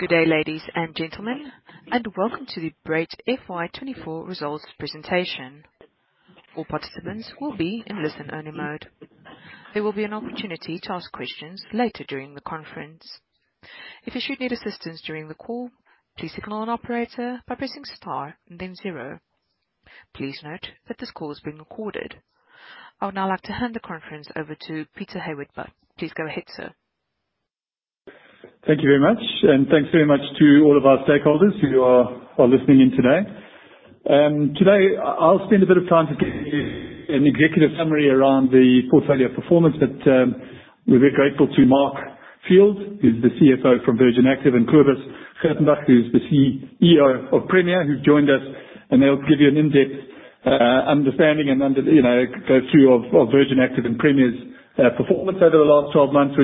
Good day, ladies and gentlemen, and Welcome to the Brait FY24 Results Presentation. All participants will be in listen-only mode. There will be an opportunity to ask questions later during the conference. If you should need assistance during the call, please signal an operator by pressing star and then zero. Please note that this call is being recorded. I would now like to hand the conference over to Peter Hayward-Butt. Please go ahead, sir. Thank you very much, and thanks very much to all of our stakeholders who are listening in today. Today, I'll spend a bit of time to give you an executive summary around the portfolio performance, but we're very grateful to Mark Field, who's the CFO from Virgin Active, and Kobus Gertenbach, who's the CEO of Premier, who's joined us. They'll give you an in-depth understanding and go through Virgin Active and Premier's performance over the last 12 months,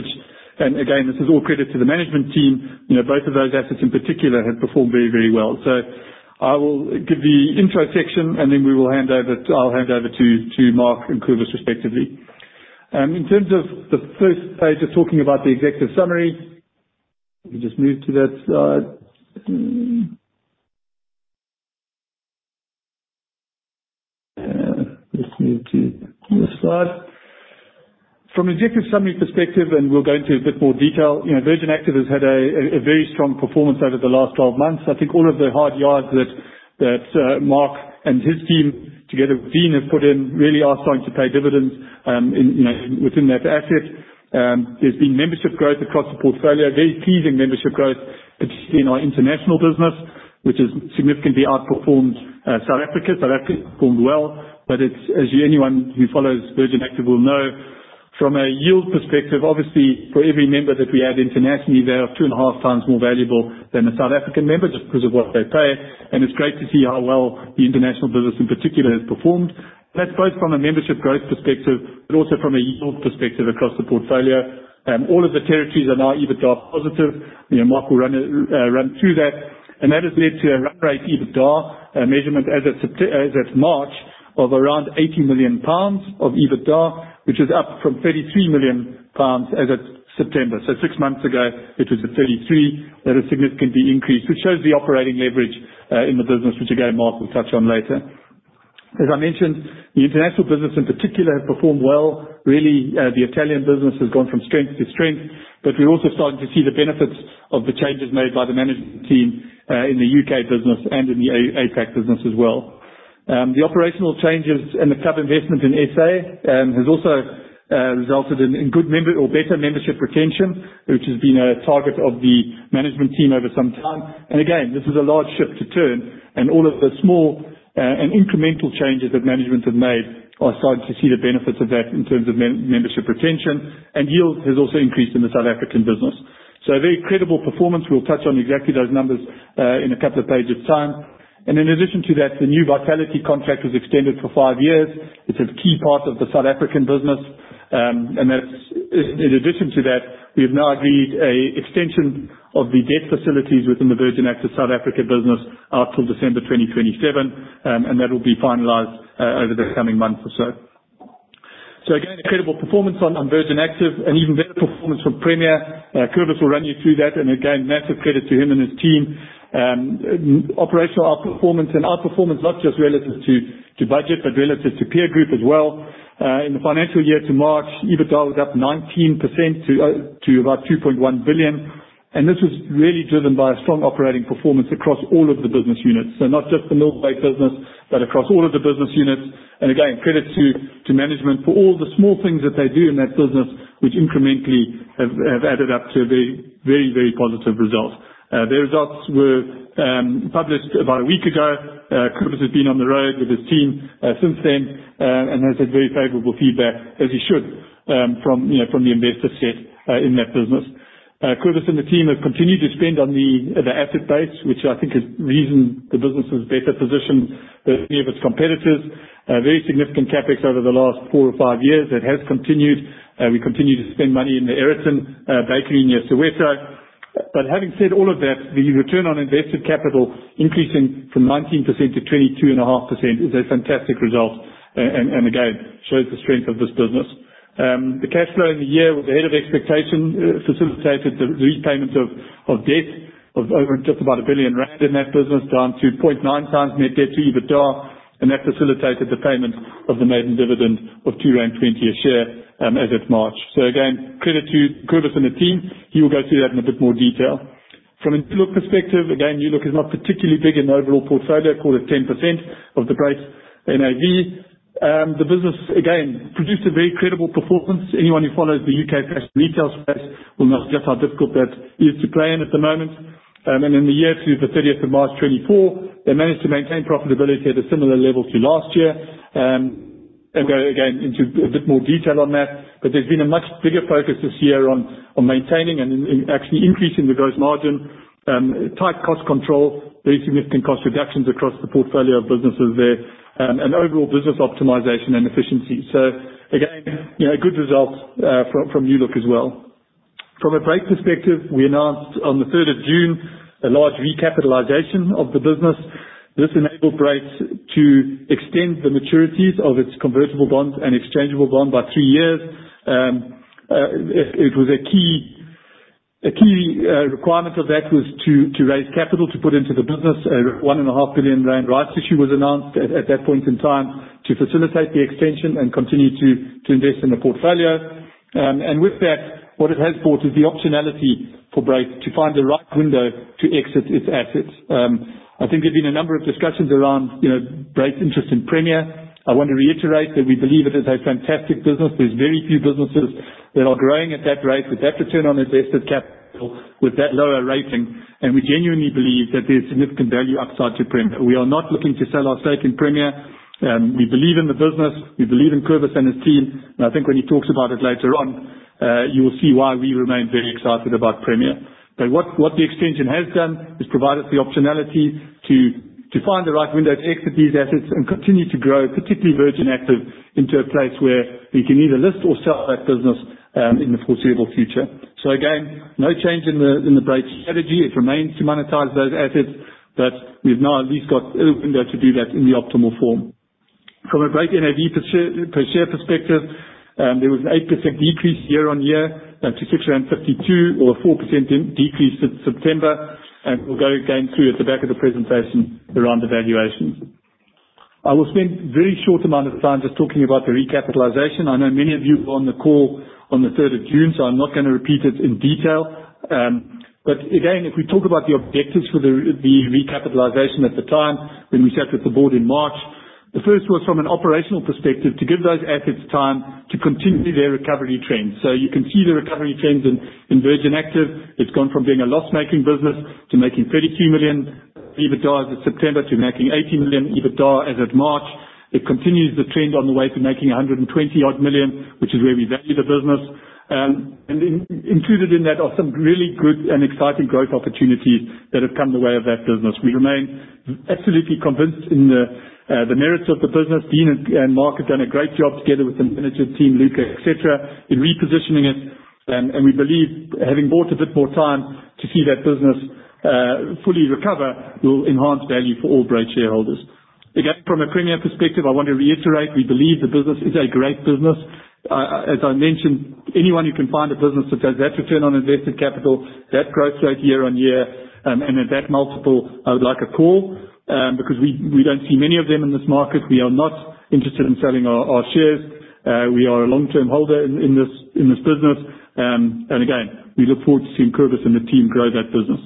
which, and again, this is all credit to the management team. Both of those assets in particular have performed very, very well. I'll give the intro section, and then I'll hand over to Mark and Kobus, respectively. In terms of the first page of talking about the executive summary, we can just move to that slide. Let's move to the next slide. From an executive summary perspective, and we'll go into a bit more detail, Virgin Active has had a very strong performance over the last 12 months. I think all of the hard yards that Mark and his team together, Dean, have put in really are starting to pay dividends within that asset. There's been membership growth across the portfolio, very pleasing membership growth, particularly in our international business, which has significantly outperformed South Africa. South Africa performed well, but as anyone who follows Virgin Active will know, from a yield perspective, obviously, for every member that we add internationally, they are 2.5x more valuable than a South African member just because of what they pay. And it's great to see how well the international business in particular has performed. And that's both from a membership growth perspective, but also from a yield perspective across the portfolio. All of the territories are now EBITDA positive. Mark will run through that. That has led to a run rate EBITDA measurement as of March of around 80 million pounds of EBITDA, which is up from 33 million pounds as of September. Six months ago, it was at 33 million. That has significantly increased, which shows the operating leverage in the business, which, again, Mark will touch on later. As I mentioned, the international business in particular has performed well. Really, the Italian business has gone from strength to strength, but we're also starting to see the benefits of the changes made by the management team in the U.K. business and in the APAC business as well. The operational changes and the club investment in SA have also resulted in better membership retention, which has been a target of the management team over some time. Again, this is a large shift to turn, and all of the small and incremental changes that management have made are starting to see the benefits of that in terms of membership retention. And yield has also increased in the South African business. So very credible performance. We'll touch on exactly those numbers in a couple of pages' time. And in addition to that, the new Vitality contract was extended for five years. It's a key part of the South African business. And in addition to that, we have now agreed an extension of the debt facilities within the Virgin Active South Africa business out till December 2027, and that will be finalized over the coming months or so. So again, incredible performance on Virgin Active and even better performance from Premier. Kobus will run you through that. And again, massive credit to him and his team. Operational outperformance and outperformance, not just relative to budget, but relative to peer group as well. In the financial year to March, EBITDA was up 19% to about 2.1 billion. This was really driven by a strong operating performance across all of the business units, so not just the milling business, but across all of the business units. Again, credit to management for all the small things that they do in that business, which incrementally have added up to a very, very, very positive result. Their results were published about a week ago. Kobus has been on the road with his team since then and has had very favorable feedback, as he should, from the investor set in that business. Kobus and the team have continued to spend on the asset base, which I think has positioned the business better than any of its competitors. Very significant CapEx over the last four or five years. It has continued. We continue to spend money in the Aeroton Bakery near Soweto. But having said all of that, the return on invested capital increasing from 19%-22.5% is a fantastic result and again, shows the strength of this business. The cash flow in the year was ahead of expectation, facilitated the repayment of debt of just about GBP 1 billion in that business down to 0.nine times net debt to EBITDA, and that facilitated the payment of the maiden dividend of 2.20 a share as of March. So again, credit to Kobus and the team. He will go through that in a bit more detail. From a New Look perspective, again, New Look is not particularly big in the overall portfolio, called at 10% of the Brait NAV. The business, again, produced a very credible performance. Anyone who follows the U.K. fashion retail space will know just how difficult that is to play in at the moment. In the year to the 30 March 2024, they managed to maintain profitability at a similar level to last year. We'll go again into a bit more detail on that, but there's been a much bigger focus this year on maintaining and actually increasing the gross margin, tight cost control, very significant cost reductions across the portfolio of businesses there, and overall business optimization and efficiency. So again, a good result from New Look as well. From a Brait perspective, we announced on the 3 June 2024 a large recapitalization of the business. This enabled Brait to extend the maturities of its convertible bond and exchangeable bond by three years. It was a key requirement of that was to raise capital to put into the business. 1.5 billion rights issue was announced at that point in time to facilitate the extension and continue to invest in the portfolio. With that, what it has brought is the optionality for Brait to find the right window to exit its assets. I think there have been a number of discussions around Brait's interest in Premier. I want to reiterate that we believe it is a fantastic business. There's very few businesses that are growing at that rate with that return on invested capital, with that lower rating. We genuinely believe that there's significant value upside to Premier. We are not looking to sell our stake in Premier. We believe in the business. We believe in Kobus and his team. I think when he talks about it later on, you will see why we remain very excited about Premier. But what the extension has done is provided the optionality to find the right window to exit these assets and continue to grow, particularly Virgin Active, into a place where we can either list or sell that business in the foreseeable future. So again, no change in the Brait strategy. It remains to monetize those assets, but we've now at least got a window to do that in the optimal form. From a Brait NAV per share perspective, there was an 8% decrease year-over-year to 652, or a 4% decrease in September. And we'll go again through at the back of the presentation around the valuations. I will spend a very short amount of time just talking about the recapitalization. I know many of you were on the call on the 3 June 2024, so I'm not going to repeat it in detail. But again, if we talk about the objectives for the recapitalization at the time when we sat with the board in March, the first was from an operational perspective to give those assets time to continue their recovery trend. So you can see the recovery trends in Virgin Active. It's gone from being a loss-making business to making 32 million EBITDA as of September to making 18 million EBITDA as of March. It continues the trend on the way to making 120 million, which is where we value the business. And included in that are some really good and exciting growth opportunities that have come the way of that business. We remain absolutely convinced in the merits of the business. Dean and Mark have done a great job together with the management team, Luca, etc., in repositioning it. We believe having bought a bit more time to see that business fully recover will enhance value for all Brait shareholders. Again, from a Premier perspective, I want to reiterate we believe the business is a great business. As I mentioned, anyone who can find a business that has that return on invested capital, that growth rate year-on-year, and that multiple, I would like a call because we don't see many of them in this market. We are not interested in selling our shares. We are a long-term holder in this business. And again, we look forward to seeing Kobus and the team grow that business.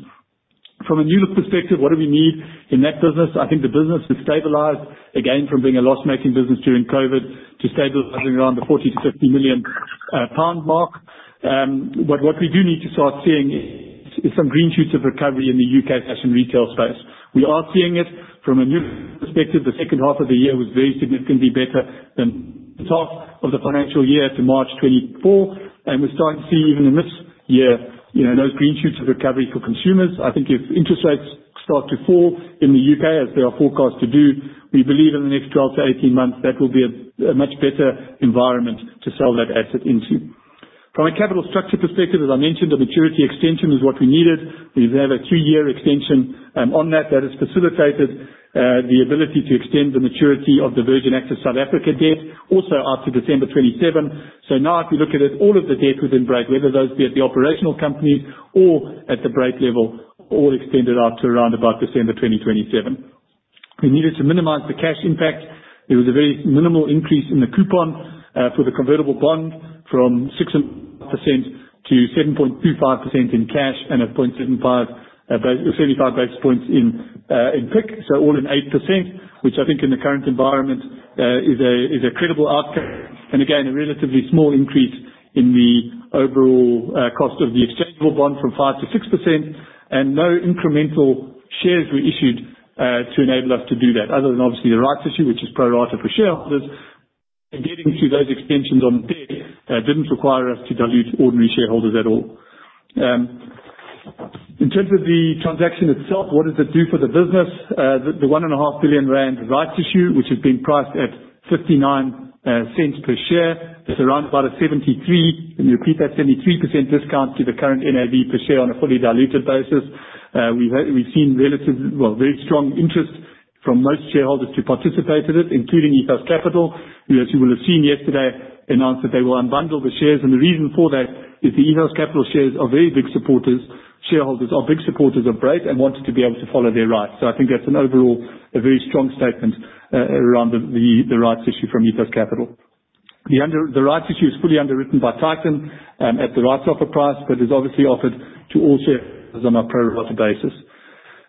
From a New Look perspective, what do we need in that business? I think the business has stabilized, again, from being a loss-making business during COVID to stabilizing around the 40 million-50 million pound mark. But what we do need to start seeing is some green shoots of recovery in the U.K. fashion retail space. We are seeing it. From a New Look perspective, the second half of the year was very significantly better than the top of the financial year to March 2024. And we're starting to see even in this year those green shoots of recovery for consumers. I think if interest rates start to fall in the U.K., as they are forecast to do, we believe in the next 12-18 months that will be a much better environment to sell that asset into. From a capital structure perspective, as I mentioned, the maturity extension is what we needed. We have a two-year extension on that. That has facilitated the ability to extend the maturity of the Virgin Active South Africa debt also up to December 2027. So now, if we look at it, all of the debt within Brait, whether those be at the operational companies or at the Brait level, all extended out to around about December 2027. We needed to minimize the cash impact. There was a very minimal increase in the coupon for the convertible bond from 6.5%-7.25% in cash and a 0.75 basis point in PIK, so all in 8%, which I think in the current environment is a credible outcome. And again, a relatively small increase in the overall cost of the exchangeable bond from 5%-6%. And no incremental shares were issued to enable us to do that, other than obviously the rights issue, which is pro rata for shareholders. And getting through those extensions on debt didn't require us to dilute ordinary shareholders at all. In terms of the transaction itself, what does it do for the business? The 1.5 billion rand rights issue, which has been priced at 0.59 per share, is around about a 73%, can you repeat that, 73% discount to the current NAV per share on a fully diluted basis. We've seen relatively, well, very strong interest from most shareholders to participate in it, including Ethos Capital, who, as you will have seen yesterday, announced that they will unbundle the shares. And the reason for that is the Ethos Capital shares are very big supporters. Shareholders are big supporters of Brait and wanted to be able to follow their rights. So I think that's an overall very strong statement around the rights issue from Ethos Capital. The rights issue is fully underwritten by Titan at the rights offer price, but is obviously offered to all shareholders on a pro rata basis.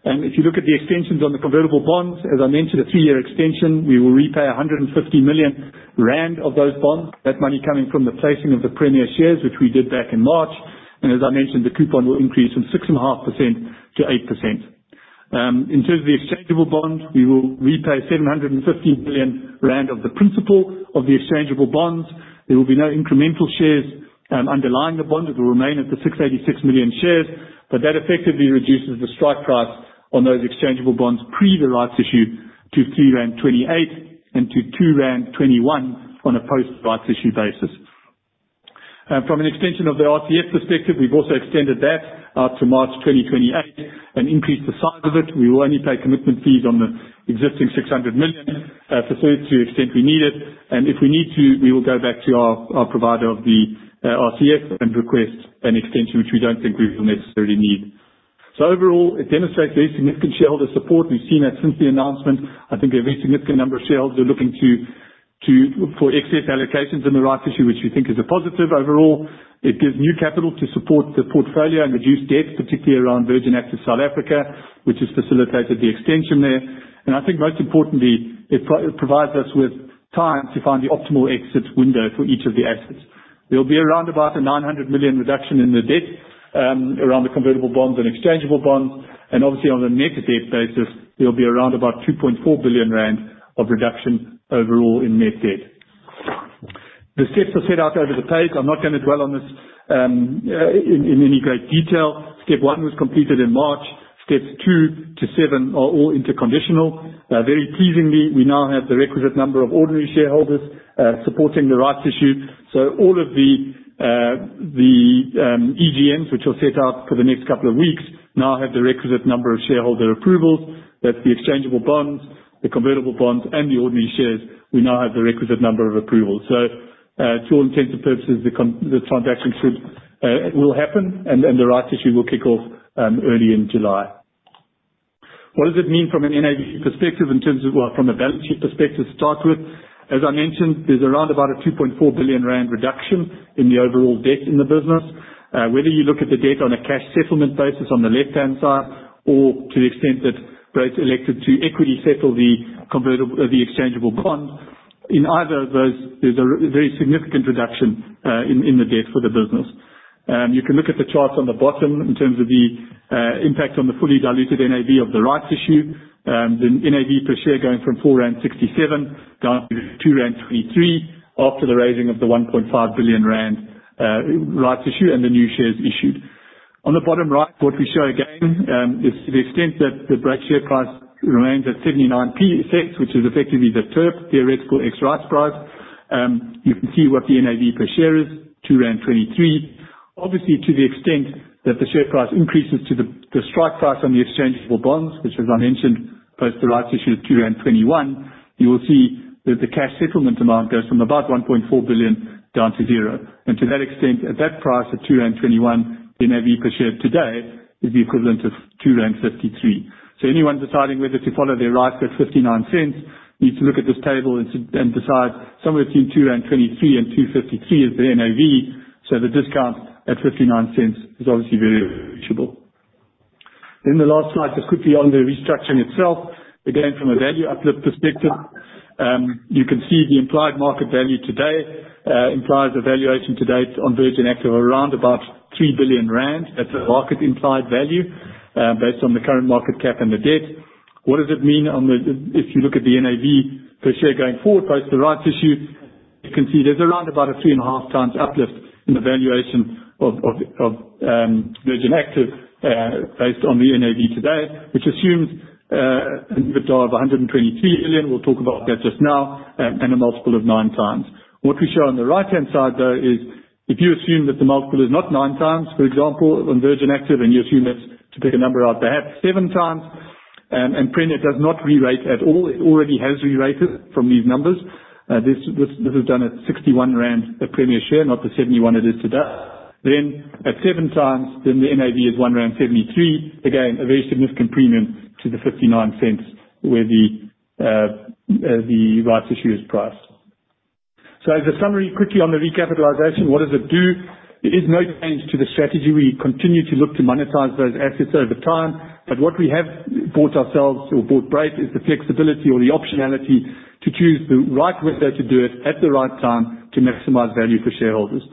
If you look at the extensions on the convertible bonds, as I mentioned, a three-year extension, we will repay 150 million rand of those bonds. That money coming from the placing of the Premier shares, which we did back in March. As I mentioned, the coupon will increase from 6.5%-8%. In terms of the exchangeable bond, we will repay 750 million rand of the principal of the exchangeable bonds. There will be no incremental shares underlying the bond. It will remain at the 686 million shares. But that effectively reduces the strike price on those exchangeable bonds pre the rights issue to 3.28 rand and to 2.21 rand on a post rights issue basis. From an extension of the RCF perspective, we've also extended that out to March 2028 and increased the size of it. We will only pay commitment fees on the existing 600 million for so to the extent we need it. And if we need to, we will go back to our provider of the RCF and request an extension, which we don't think we will necessarily need. So overall, it demonstrates very significant shareholder support. We've seen that since the announcement. I think a very significant number of shareholders are looking for excess allocations in the rights issue, which we think is a positive. Overall, it gives new capital to support the portfolio and reduce debt, particularly around Virgin Active South Africa, which has facilitated the extension there. And I think most importantly, it provides us with time to find the optimal exit window for each of the assets. There will be around about a 900 million reduction in the debt around the convertible bonds and exchangeable bonds. And obviously, on a net debt basis, there will be around about 2.4 billion rand of reduction overall in net debt. The steps are set out over the page. I'm not going to dwell on this in any great detail. Step one was completed in March. Steps two to seven are all interconditional. Very pleasingly, we now have the requisite number of ordinary shareholders supporting the rights issue. So all of the EGMs, which are set out for the next couple of weeks, now have the requisite number of shareholder approvals. That's the exchangeable bonds, the convertible bonds, and the ordinary shares. We now have the requisite number of approvals. So to all intents and purposes, the transaction will happen, and the rights issue will kick off early in July. What does it mean from an NAV perspective in terms of, well, from a balance sheet perspective to start with? As I mentioned, there's around about a 2.4 billion rand reduction in the overall debt in the business. Whether you look at the debt on a cash settlement basis on the left-hand side or to the extent that Brait elected to equity settle the exchangeable bond, in either of those, there's a very significant reduction in the debt for the business. You can look at the charts on the bottom in terms of the impact on the fully diluted NAV of the rights issue, the NAV per share going from 4.67 rand down to 2.23 rand after the raising of the 1.5 billion rand rights issue and the new shares issued. On the bottom right, what we show again is the extent that the Brait share price remains at 79p, which is effectively the TERP, theoretical ex-rights price. You can see what the NAV per share is, 2.23. Obviously, to the extent that the share price increases to the strike price on the exchangeable bonds, which, as I mentioned, post the rights issue at 2.21, you will see that the cash settlement amount goes from about 1.4 billion down to zero. To that extent, at that price of 2.21, the NAV per share today is the equivalent of 2.53. So anyone deciding whether to follow their rights at 0.59 needs to look at this table and decide. Somewhere between 2.23 and 2.53 is the NAV. So the discount at 0.59 is obviously very appreciable. In the last slide, just quickly on the restructuring itself. Again, from a value uplift perspective, you can see the implied market value today implies a valuation to date on Virgin Active of around about 3 billion rand. That's the market implied value based on the current market cap and the debt. What does it mean if you look at the NAV per share going forward post the rights issue? You can see there's around about a 3.5x uplift in the valuation of Virgin Active based on the NAV today, which assumes an EBITDA of 123 million. We'll talk about that just now and a multiple of nine times. What we show on the right-hand side, though, is if you assume that the multiple is not nine times, for example, on Virgin Active, and you assume that's to pick a number out, perhaps seven times, and Premier does not re-rate at all, it already has re-rated from these numbers. This is done at 61 rand a Premier share, not the 71 it is today. Then at seven times, then the NAV is 1.73 rand. Again, a very significant premium to the 0.59 where the rights issue is priced. As a summary, quickly on the recapitalization, what does it do? There is no change to the strategy. We continue to look to monetize those assets over time. But what we have bought ourselves or bought Brait is the flexibility or the optionality to choose the right window to do it at the right time to maximize value for shareholders.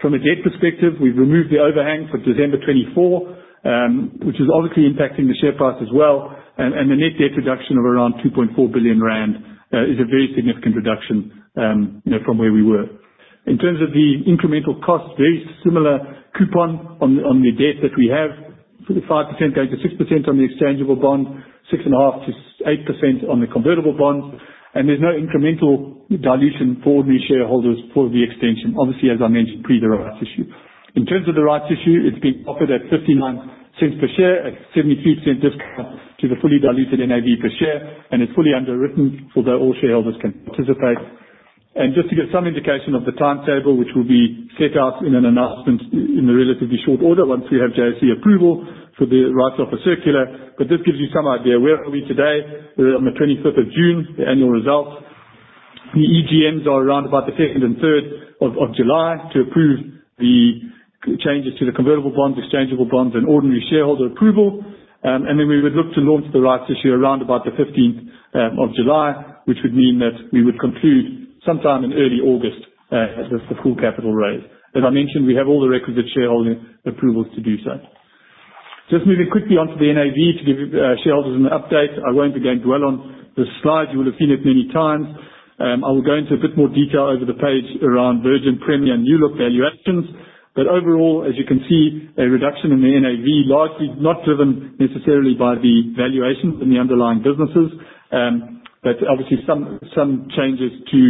From a debt perspective, we've removed the overhang for December 2024, which is obviously impacting the share price as well. And the net debt reduction of around 2.4 billion rand is a very significant reduction from where we were. In terms of the incremental costs, very similar coupon on the debt that we have, 5%-6% on the exchangeable bond, 6.5%-8% on the convertible bonds. And there's no incremental dilution for ordinary shareholders for the extension. Obviously, as I mentioned, pre the rights issue. In terms of the rights issue, it's been offered at 0.59 per share at 73% discount to the fully diluted NAV per share. It's fully underwritten, although all shareholders can participate. Just to give some indication of the timetable, which will be set out in an announcement in a relatively short order once we have JSE approval for the rights offer circular. But this gives you some idea. Where are we today? We're on the 25 June 2024, the annual results. The EGMs are around about the second and 3 July 2024 to approve the changes to the convertible bonds, exchangeable bonds, and ordinary shareholder approval. Then we would look to launch the rights issue around about the 15 July 2024, which would mean that we would conclude sometime in early August the full capital raise. As I mentioned, we have all the requisite shareholder approvals to do so. Just moving quickly on to the NAV to give shareholders an update. I won't again dwell on the slides. You will have seen it many times. I will go into a bit more detail over the page around Virgin Premier and New Look valuations. Overall, as you can see, a reduction in the NAV, largely not driven necessarily by the valuations in the underlying businesses, but obviously some changes to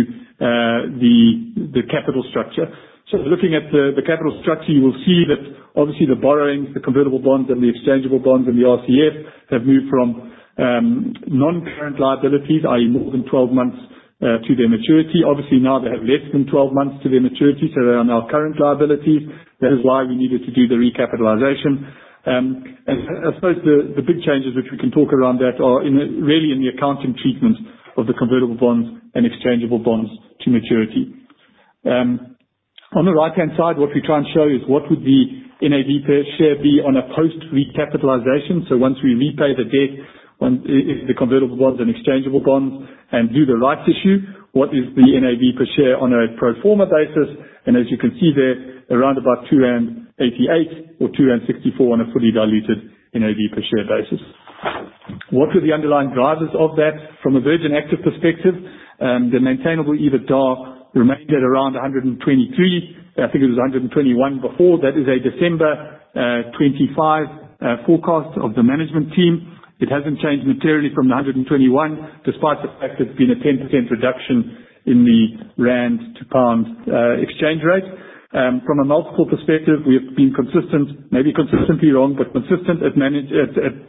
the capital structure. Looking at the capital structure, you will see that obviously the borrowings, the convertible bonds, and the exchangeable bonds and the RCF have moved from non-current liabilities, i.e., more than 12 months to their maturity. Obviously, now they have less than 12 months to their maturity, so they are now current liabilities. That is why we needed to do the recapitalization. I suppose the big changes which we can talk around that are really in the accounting treatment of the convertible bonds and exchangeable bonds to maturity. On the right-hand side, what we try and show is what would the NAV per share be on a post recapitalization. So once we repay the debt with the convertible bonds and exchangeable bonds and do the rights issue, what is the NAV per share on a pro forma basis? And as you can see there, around about 2.88 or 2.64 on a fully diluted NAV per share basis. What were the underlying drivers of that? From a Virgin Active perspective, the maintainable EBITDA remained at around 123 million. I think it was 121 before. That is a December 2025 forecast of the management team. It hasn't changed materially from the 121 million, despite the fact that there's been a 10% reduction in the rand to pound exchange rate. From a multiple perspective, we have been consistent, maybe consistently wrong, but consistent at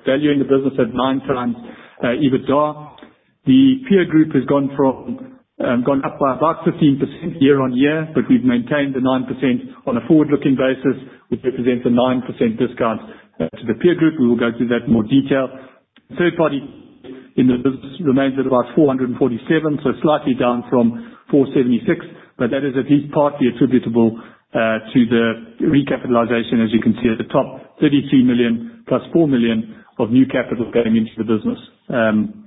valuing the business at nine times EBITDA. The peer group has gone up by about 15% year-on-year, but we've maintained the nine times on a forward-looking basis, which represents a 9% discount to the peer group. We will go through that in more detail. Third-party in the business remains at about 447, so slightly down from 476. But that is at least partly attributable to the recapitalization, as you can see at the top, 33 million plus 4 million of new capital going into the business.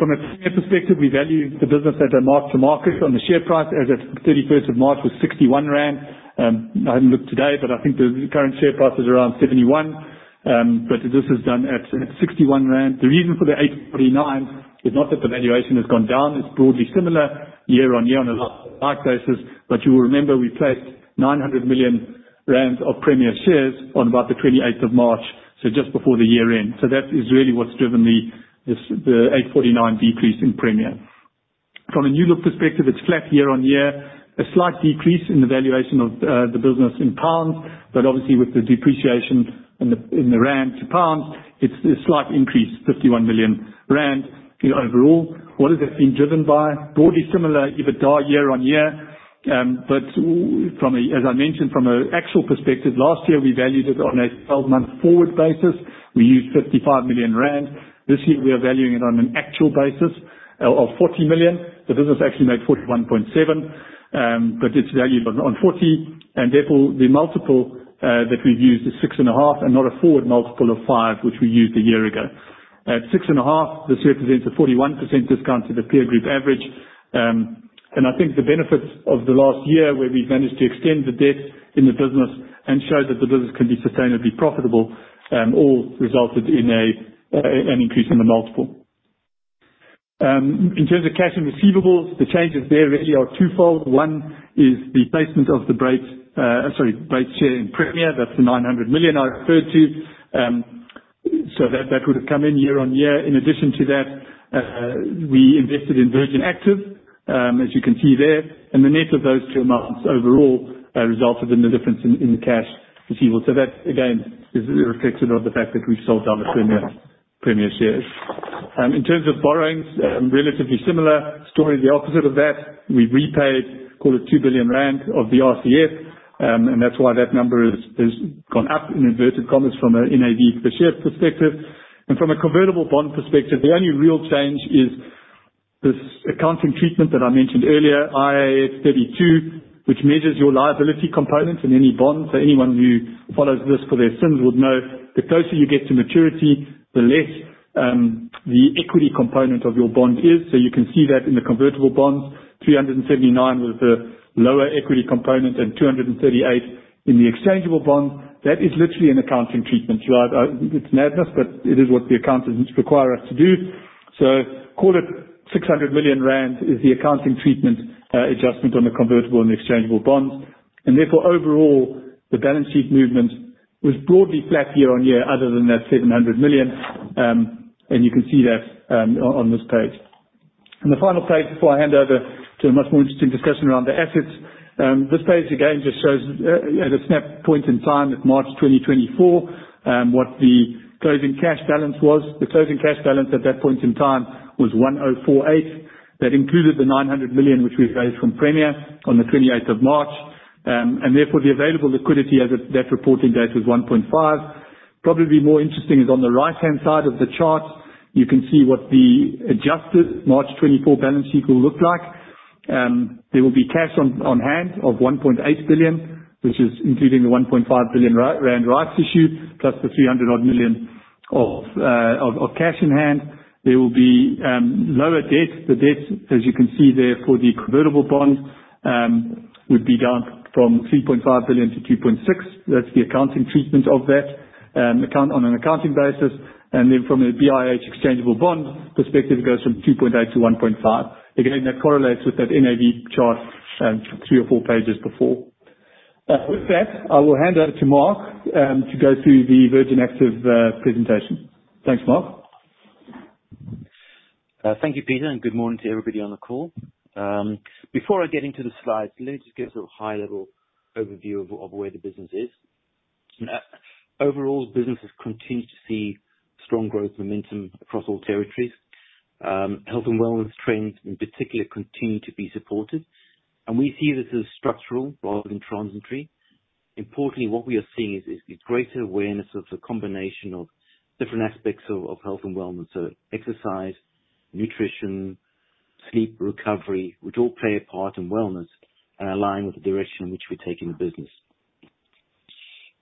From a peer perspective, we value the business at a mark-to-market on the share price as of 31 March 2025 was 61 rand. I haven't looked today, but I think the current share price is around 71. But this is done at 61 rand. The reason for the 8.49 is not that the valuation has gone down. It's broadly similar year-on-year on a large basis. But you will remember we placed 900 million rand of Premier shares on about the 28 March 2024, so just before the year-end. So that is really what's driven the 8.49 decrease in Premier. From a New Look perspective, it's flat year-on-year. A slight decrease in the valuation of the business in pounds. But obviously, with the depreciation in the rand to pounds, it's a slight increase, ZAR 51 million overall. What has it been driven by? Broadly similar EBITDA year-on-year. But as I mentioned, from an actual perspective, last year we valued it on a 12-month forward basis. We used 55 million rand. This year we are valuing it on an actual basis of 40 million. The business actually made 41.7 million, but it's valued on 40 million. Therefore, the multiple that we've used is 6.5 and not a forward multiple of five, which we used a year ago. At 6.5, this represents a 41% discount to the peer group average. I think the benefits of the last year where we've managed to extend the debt in the business and show that the business can be sustainably profitable all resulted in an increase in the multiple. In terms of cash and receivables, the changes there really are twofold. One is the placement of the Brait share in Premier. That's the 900 million I referred to. So that would have come in year-on-year. In addition to that, we invested in Virgin Active, as you can see there. The net of those two amounts overall resulted in the difference in the cash receivables. So that, again, is reflected on the fact that we've sold down the Premier shares. In terms of borrowings, relatively similar story, the opposite of that. We repaid, call it 2 billion rand of the RCF. And that's why that number has gone up in inverted commas from an NAV per share perspective. And from a convertible bond perspective, the only real change is this accounting treatment that I mentioned earlier, IAS 32, which measures your liability components in any bond. So anyone who follows this for their ISINs would know the closer you get to maturity, the less the equity component of your bond is. So you can see that in the convertible bonds, 379 with the lower equity component and 238 in the exchangeable bonds. That is literally an accounting treatment. It's madness, but it is what the accountants require us to do. So call it 600 million rand is the accounting treatment adjustment on the convertible and the exchangeable bonds. And therefore, overall, the balance sheet movement was broadly flat year-on-year other than that 700 million. And you can see that on this page. And the final page before I hand over to a much more interesting discussion around the assets. This page again just shows at a snap point in time of March 2024 what the closing cash balance was. The closing cash balance at that point in time was 104.8 million. That included the 900 million which we raised from Premier on the 28 March 2024. And therefore, the available liquidity as of that reporting date was 1.5 billion. Probably more interesting is on the right-hand side of the chart, you can see what the adjusted March 2024 balance sheet will look like. There will be cash on hand of 1.8 billion, which is including the 1.5 billion rand rights issue plus the 300 million of cash in hand. There will be lower debt. The debt, as you can see there for the convertible bonds, would be down from 3.5 billion to 2.6 billion. That's the accounting treatment of that account on an accounting basis. And then from a BIH exchangeable bond perspective, it goes from 2.8 billion to 1.5 billion. Again, that correlates with that NAV chart three or four pages before. With that, I will hand over to Mark to go through the Virgin Active presentation. Thanks, Mark. Thank you, Peter, and good morning to everybody on the call. Before I get into the slides, let me just give a sort of high-level overview of where the business is. Overall, business has continued to see strong growth momentum across all territories. Health and wellness trends, in particular, continue to be supported. We see this as structural rather than transitory. Importantly, what we are seeing is greater awareness of the combination of different aspects of health and wellness, so exercise, nutrition, sleep, recovery, which all play a part in wellness and align with the direction in which we're taking the business.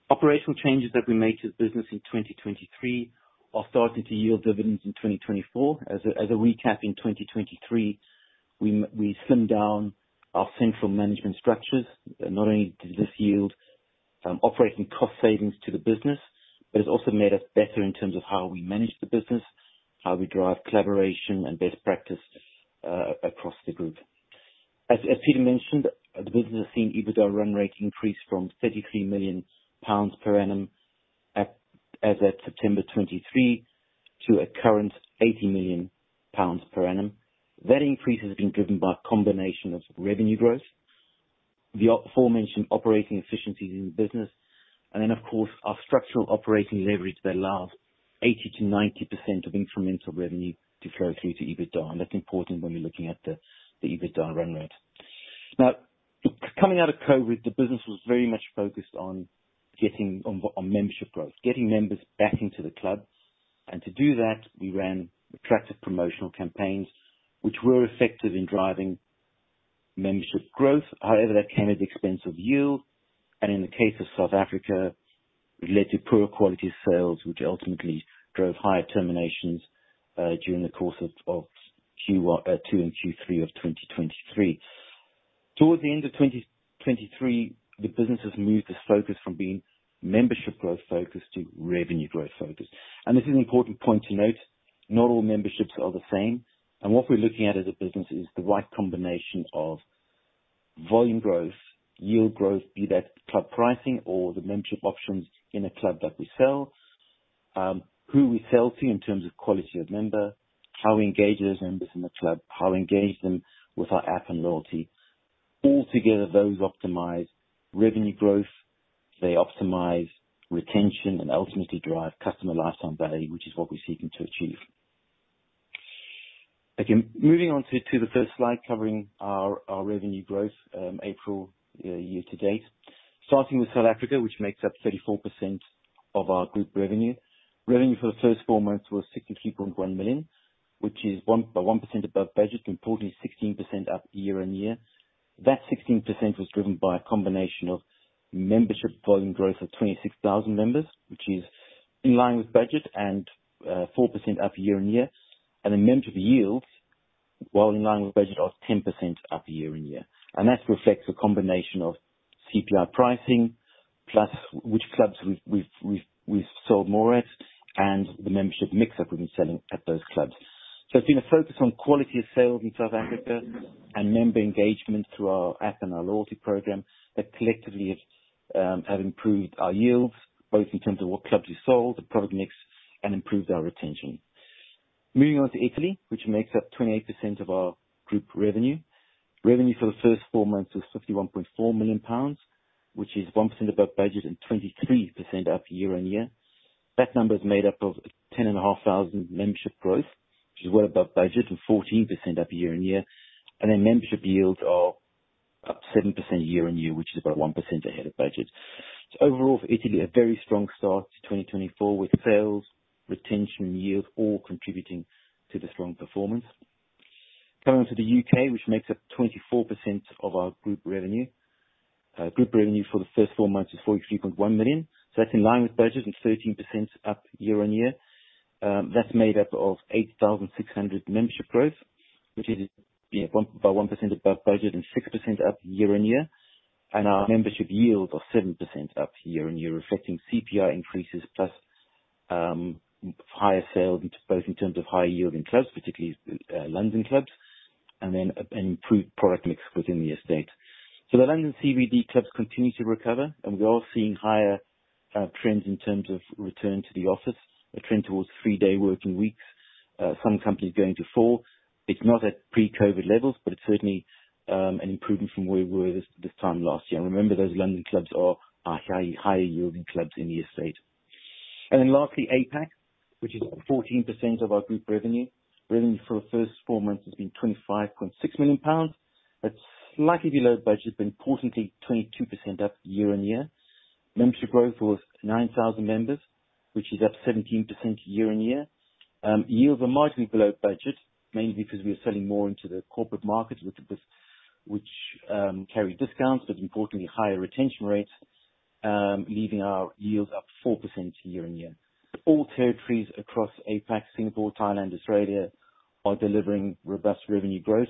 Operational changes that we made to the business in 2023 are starting to yield dividends in 2024. As a recap in 2023, we slimmed down our central management structures. Not only did this yield operating cost savings to the business, but it's also made us better in terms of how we manage the business, how we drive collaboration and best practice across the group. As Peter mentioned, the business has seen EBITDA run rate increase from 33 million pounds per annum as at September 2023 to a current 80 million pounds per annum. That increase has been driven by a combination of revenue growth, the aforementioned operating efficiencies in the business, and then, of course, our structural operating leverage that allows 80%-90% of incremental revenue to flow through to EBITDA. And that's important when we're looking at the EBITDA run rate. Now, coming out of COVID, the business was very much focused on membership growth, getting members back into the club. And to do that, we ran attractive promotional campaigns, which were effective in driving membership growth. However, that came at the expense of yield. In the case of South Africa, it led to poorer quality sales, which ultimately drove higher terminations during the course of Q2 and Q3 of 2023. Towards the end of 2023, the business has moved its focus from being membership growth focused to revenue growth focused. This is an important point to note. Not all memberships are the same. What we're looking at as a business is the right combination of volume growth, yield growth, be that club pricing or the membership options in a club that we sell, who we sell to in terms of quality of member, how we engage those members in the club, how we engage them with our app and loyalty. Altogether, those optimize revenue growth. They optimize retention and ultimately drive customer lifetime value, which is what we're seeking to achieve. Okay, moving on to the first slide covering our revenue growth, April year-to-date. Starting with South Africa, which makes up 34% of our group revenue. Revenue for the first four months was 63.1 million, which is by 1% above budget, importantly 16% up year-on-year. That 16% was driven by a combination of membership volume growth of 26,000 members, which is in line with budget and 4% up year-on-year. And the membership yields, while in line with budget, are 10% up year-on-year. And that reflects a combination of CPI pricing plus which clubs we've sold more at and the membership mix that we've been selling at those clubs. It's been a focus on quality of sales in South Africa and member engagement through our app and our loyalty program that collectively have improved our yields, both in terms of what clubs we sold, the product mix, and improved our retention. Moving on to Italy, which makes up 28% of our group revenue. Revenue for the first four months was 51.4 million pounds, which is 1% above budget and 23% up year-on-year. That number is made up of 10,500 membership growth, which is well above budget and 14% up year-on-year. And then membership yields are up 7% year-on-year, which is about 1% ahead of budget. Overall, for Italy, a very strong start to 2024 with sales, retention, yield, all contributing to the strong performance. Coming on to the U.K., which makes up 24% of our group revenue. Group revenue for the first four months is 43.1 million. So that's in line with budget and 13% up year-on-year. That's made up of 8,600 membership growth, which is by 1% above budget and 6% up year-on-year. And our membership yields are 7% up year-on-year, reflecting CPI increases plus higher sales, both in terms of higher yield in clubs, particularly London clubs, and then an improved product mix within the estate. So the London CBD clubs continue to recover, and we are seeing higher trends in terms of return to the office, a trend towards three-day working weeks. Some companies going to four. It's not at pre-COVID levels, but it's certainly an improvement from where we were this time last year. And remember, those London clubs are higher-yielding clubs in the estate. And then lastly, APAC, which is 14% of our group revenue. Revenue for the first four months has been 25.6 million pounds. That's slightly below budget, but importantly, 22% up year-over-year. Membership growth was 9,000 members, which is up 17% year-over-year. Yields are marginally below budget, mainly because we are selling more into the corporate market, which carried discounts, but importantly, higher retention rates, leaving our yields up 4% year-over-year. All territories across APAC, Singapore, Thailand, Australia are delivering robust revenue growth.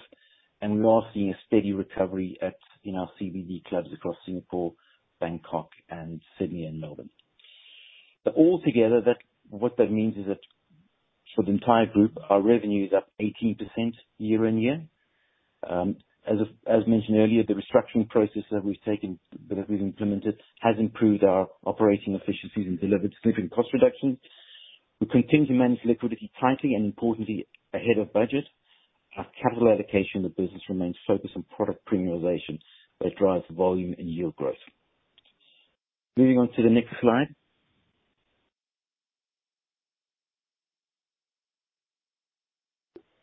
We are seeing a steady recovery in our CBD clubs across Singapore, Bangkok, and Sydney and Melbourne. Altogether, what that means is that for the entire group, our revenue is up 18% year-over-year. As mentioned earlier, the restructuring process that we've taken, that we've implemented, has improved our operating efficiencies and delivered significant cost reductions. We continue to manage liquidity tightly and importantly ahead of budget. Our capital allocation in the business remains focused on product premiumization that drives volume and yield growth. Moving on to the next slide.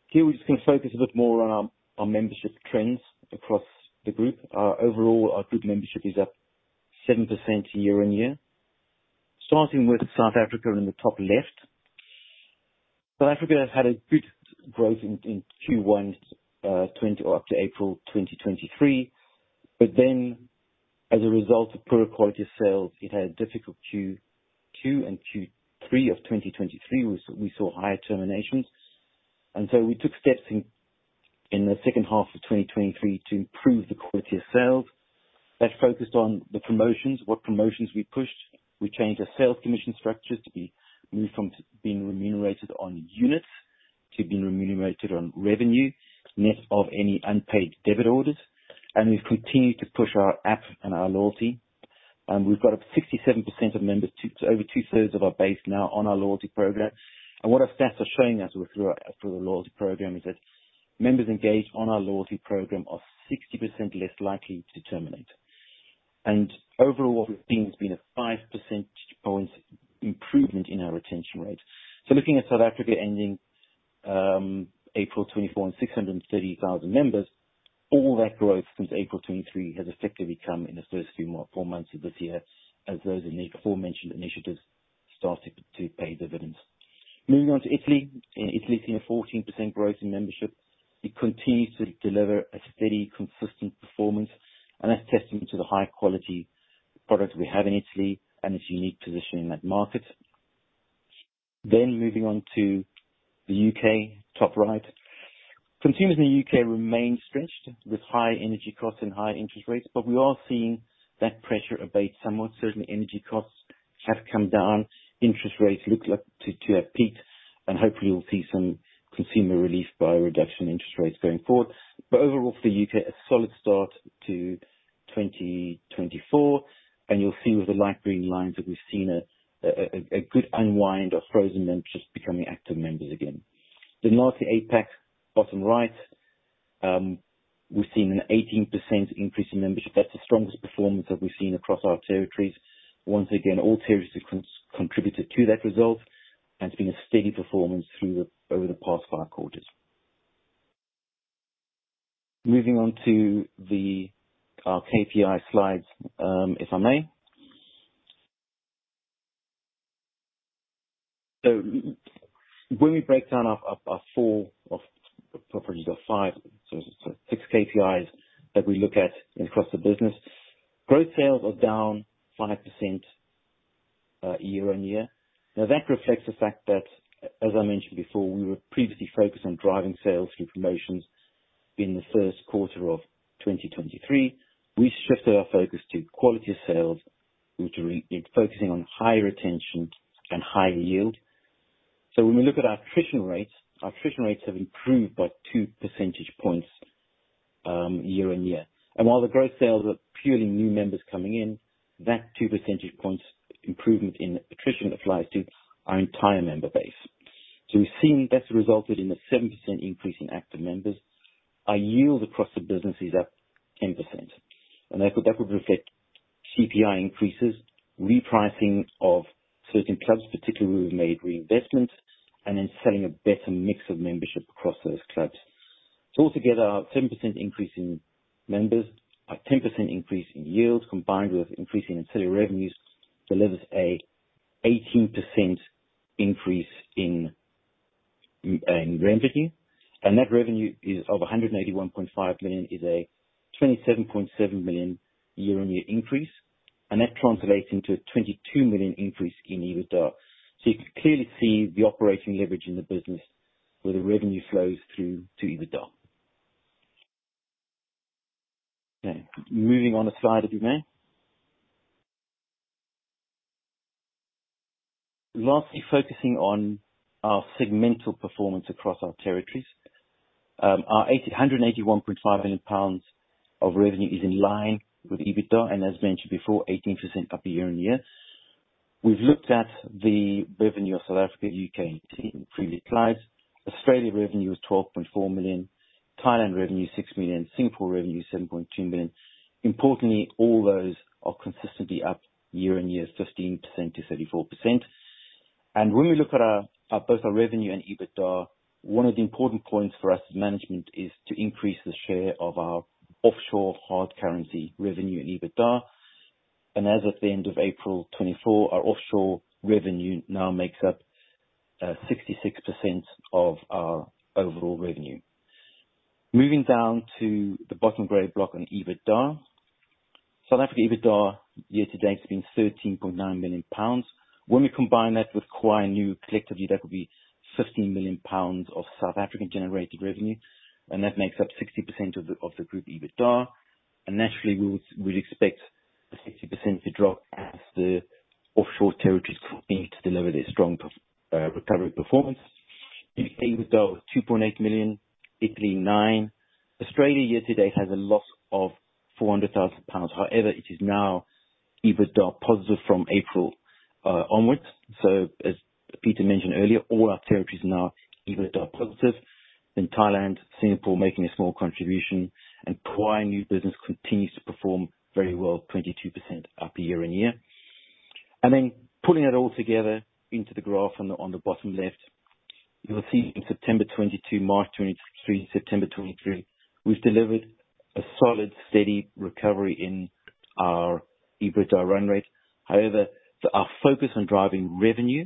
Here, we're just going to focus a bit more on our membership trends across the group. Overall, our group membership is up 7% year-on-year. Starting with South Africa in the top left. South Africa has had a good growth in Q1 up to April 2023. But then, as a result of poorer quality sales, it had a difficult Q2 and Q3 of 2023, where we saw higher terminations. And so we took steps in the second half of 2023 to improve the quality of sales. That focused on the promotions, what promotions we pushed. We changed our sales commission structures to be moved from being remunerated on units to being remunerated on revenue, net of any unpaid debit orders. We've continued to push our app and our loyalty. We've got up 67% of members, over two-thirds of our base now on our loyalty program. What our stats are showing us through the loyalty program is that members engaged on our loyalty program are 60% less likely to terminate. Overall, what we've seen has been a 5 percentage point improvement in our retention rate. Looking at South Africa ending April 2024 and 630,000 members, all that growth since April 2023 has effectively come in the first few four months of this year as those aforementioned initiatives started to pay dividends. Moving on to Italy. Italy has seen a 14% growth in membership. It continues to deliver a steady, consistent performance. That's testament to the high-quality product we have in Italy and its unique position in that market. Then moving on to the U.K., top right. Consumers in the U.K. remain stretched with high energy costs and high interest rates, but we are seeing that pressure abate somewhat. Certainly, energy costs have come down. Interest rates look like to have peaked, and hopefully, we'll see some consumer relief by a reduction in interest rates going forward. But overall, for the U.K., a solid start to 2024. And you'll see with the light green lines that we've seen a good unwind of frozen members just becoming active members again. Then lastly, APAC, bottom right. We've seen an 18% increase in membership. That's the strongest performance that we've seen across our territories. Once again, all territories have contributed to that result, and it's been a steady performance over the past five quarters. Moving on to our KPI slides, if I may. When we break down our four, or probably just our five, six KPIs that we look at across the business, gross sales are down 5% year-on-year. Now, that reflects the fact that, as I mentioned before, we were previously focused on driving sales through promotions in the Q1 of 2023. We shifted our focus to quality of sales, which are focusing on higher retention and higher yield. When we look at our attrition rates, our attrition rates have improved by two percentage points year-on-year. And while the gross sales are purely new members coming in, that two percentage points improvement in attrition applies to our entire member base. We've seen that's resulted in a 7% increase in active members. Our yield across the business is up 10%. That would reflect CPI increases, repricing of certain clubs, particularly where we've made reinvestments, and then selling a better mix of membership across those clubs. So altogether, our 7% increase in members, our 10% increase in yields, combined with increasing ancillary revenues, delivers an 18% increase in revenue. That revenue of 181.5 million is a 27.7 million year-on-year increase. That translates into a 22 million increase in EBITDA. So you can clearly see the operating leverage in the business where the revenue flows through to EBITDA. Okay, moving on a slide, if you may. Lastly, focusing on our segmental performance across our territories. Our 181.5 million pounds of revenue is in line with EBITDA, and as mentioned before, 18% up year-on-year. We've looked at the revenue of South Africa and the U.K. in previous slides. Australia revenue is 12.4 million. Thailand revenue is 6 million. Singapore revenue is 7.2 million. Importantly, all those are consistently up year-over-year, 15%-34%. When we look at both our revenue and EBITDA, one of the important points for us as management is to increase the share of our offshore hard currency revenue in EBITDA. As of the end of April 2024, our offshore revenue now makes up 66% of our overall revenue. Moving down to the bottom gray block on EBITDA. South Africa EBITDA year-to-date has been 13.9 million pounds. When we combine that with Kauai collectively, that would be 15 million pounds of South African-generated revenue. That makes up 60% of the group EBITDA. Naturally, we'd expect the 60% to drop as the offshore territories continue to deliver their strong recovery performance. U.K. EBITDA was 2.8 million. Italy, 9 million. Australia year-to-date has a loss of 400,000 pounds. However, it is now EBITDA positive from April onwards. So as Peter mentioned earlier, all our territories are now EBITDA positive. Then Thailand, Singapore making a small contribution. And Kauai business continues to perform very well, 22% up year-on-year. And then pulling that all together into the graph on the bottom left, you'll see from September 2022, March 2023, September 2023, we've delivered a solid, steady recovery in our EBITDA run rate. However, our focus on driving revenue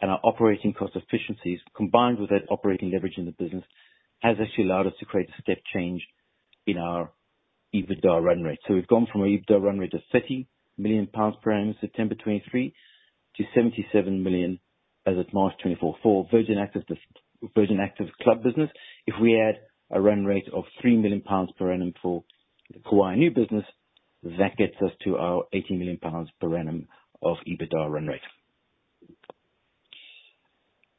and our operating cost efficiencies, combined with that operating leverage in the business, has actually allowed us to create a step change in our EBITDA run rate. So we've gone from our EBITDA run rate of 30 million pounds per annum in September 2023 to 77 million as of March 2024 for Virgin Active club business. If we add a run rate of 3 million pounds per annum for the Kauai business, that gets us to our 18 million pounds per annum of EBITDA run rate.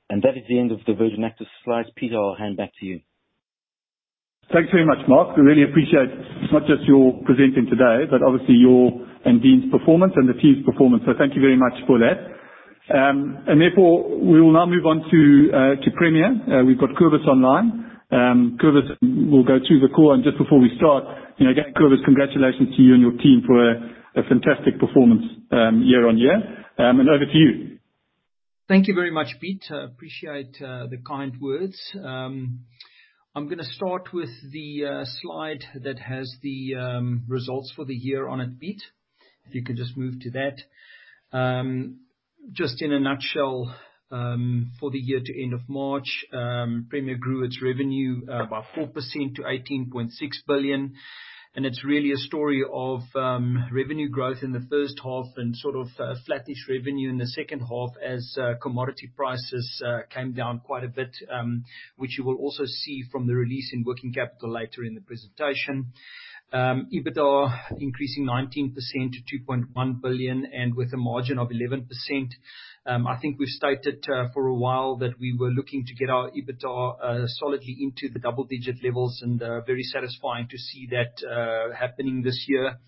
And that is the end of the Virgin Active slides. Peter, I'll hand back to you. Thanks very much, Mark. We really appreciate not just your presenting today, but obviously your and Dean's performance and the team's performance. So thank you very much for that. And therefore, we will now move on to Premier. We've got Kobus online. Kobus, we'll go to the call. And just before we start, again, Kobus, congratulations to you and your team for a fantastic performance year-over-year. And over to you. Thank you very much, Peter. Appreciate the kind words. I'm going to start with the slide that has the results for the year on it, Peter. If you could just move to that. Just in a nutshell, for the year to end of March, Premier grew its revenue by 4% to 18.6 billion. It's really a story of revenue growth in the first half and sort of flat-ish revenue in the second half as commodity prices came down quite a bit, which you will also see from the release in working capital later in the presentation. EBITDA increasing 19% to 2.1 billion and with a margin of 11%. I think we've stated for a while that we were looking to get our EBITDA solidly into the double-digit levels, and very satisfying to see that happening this year.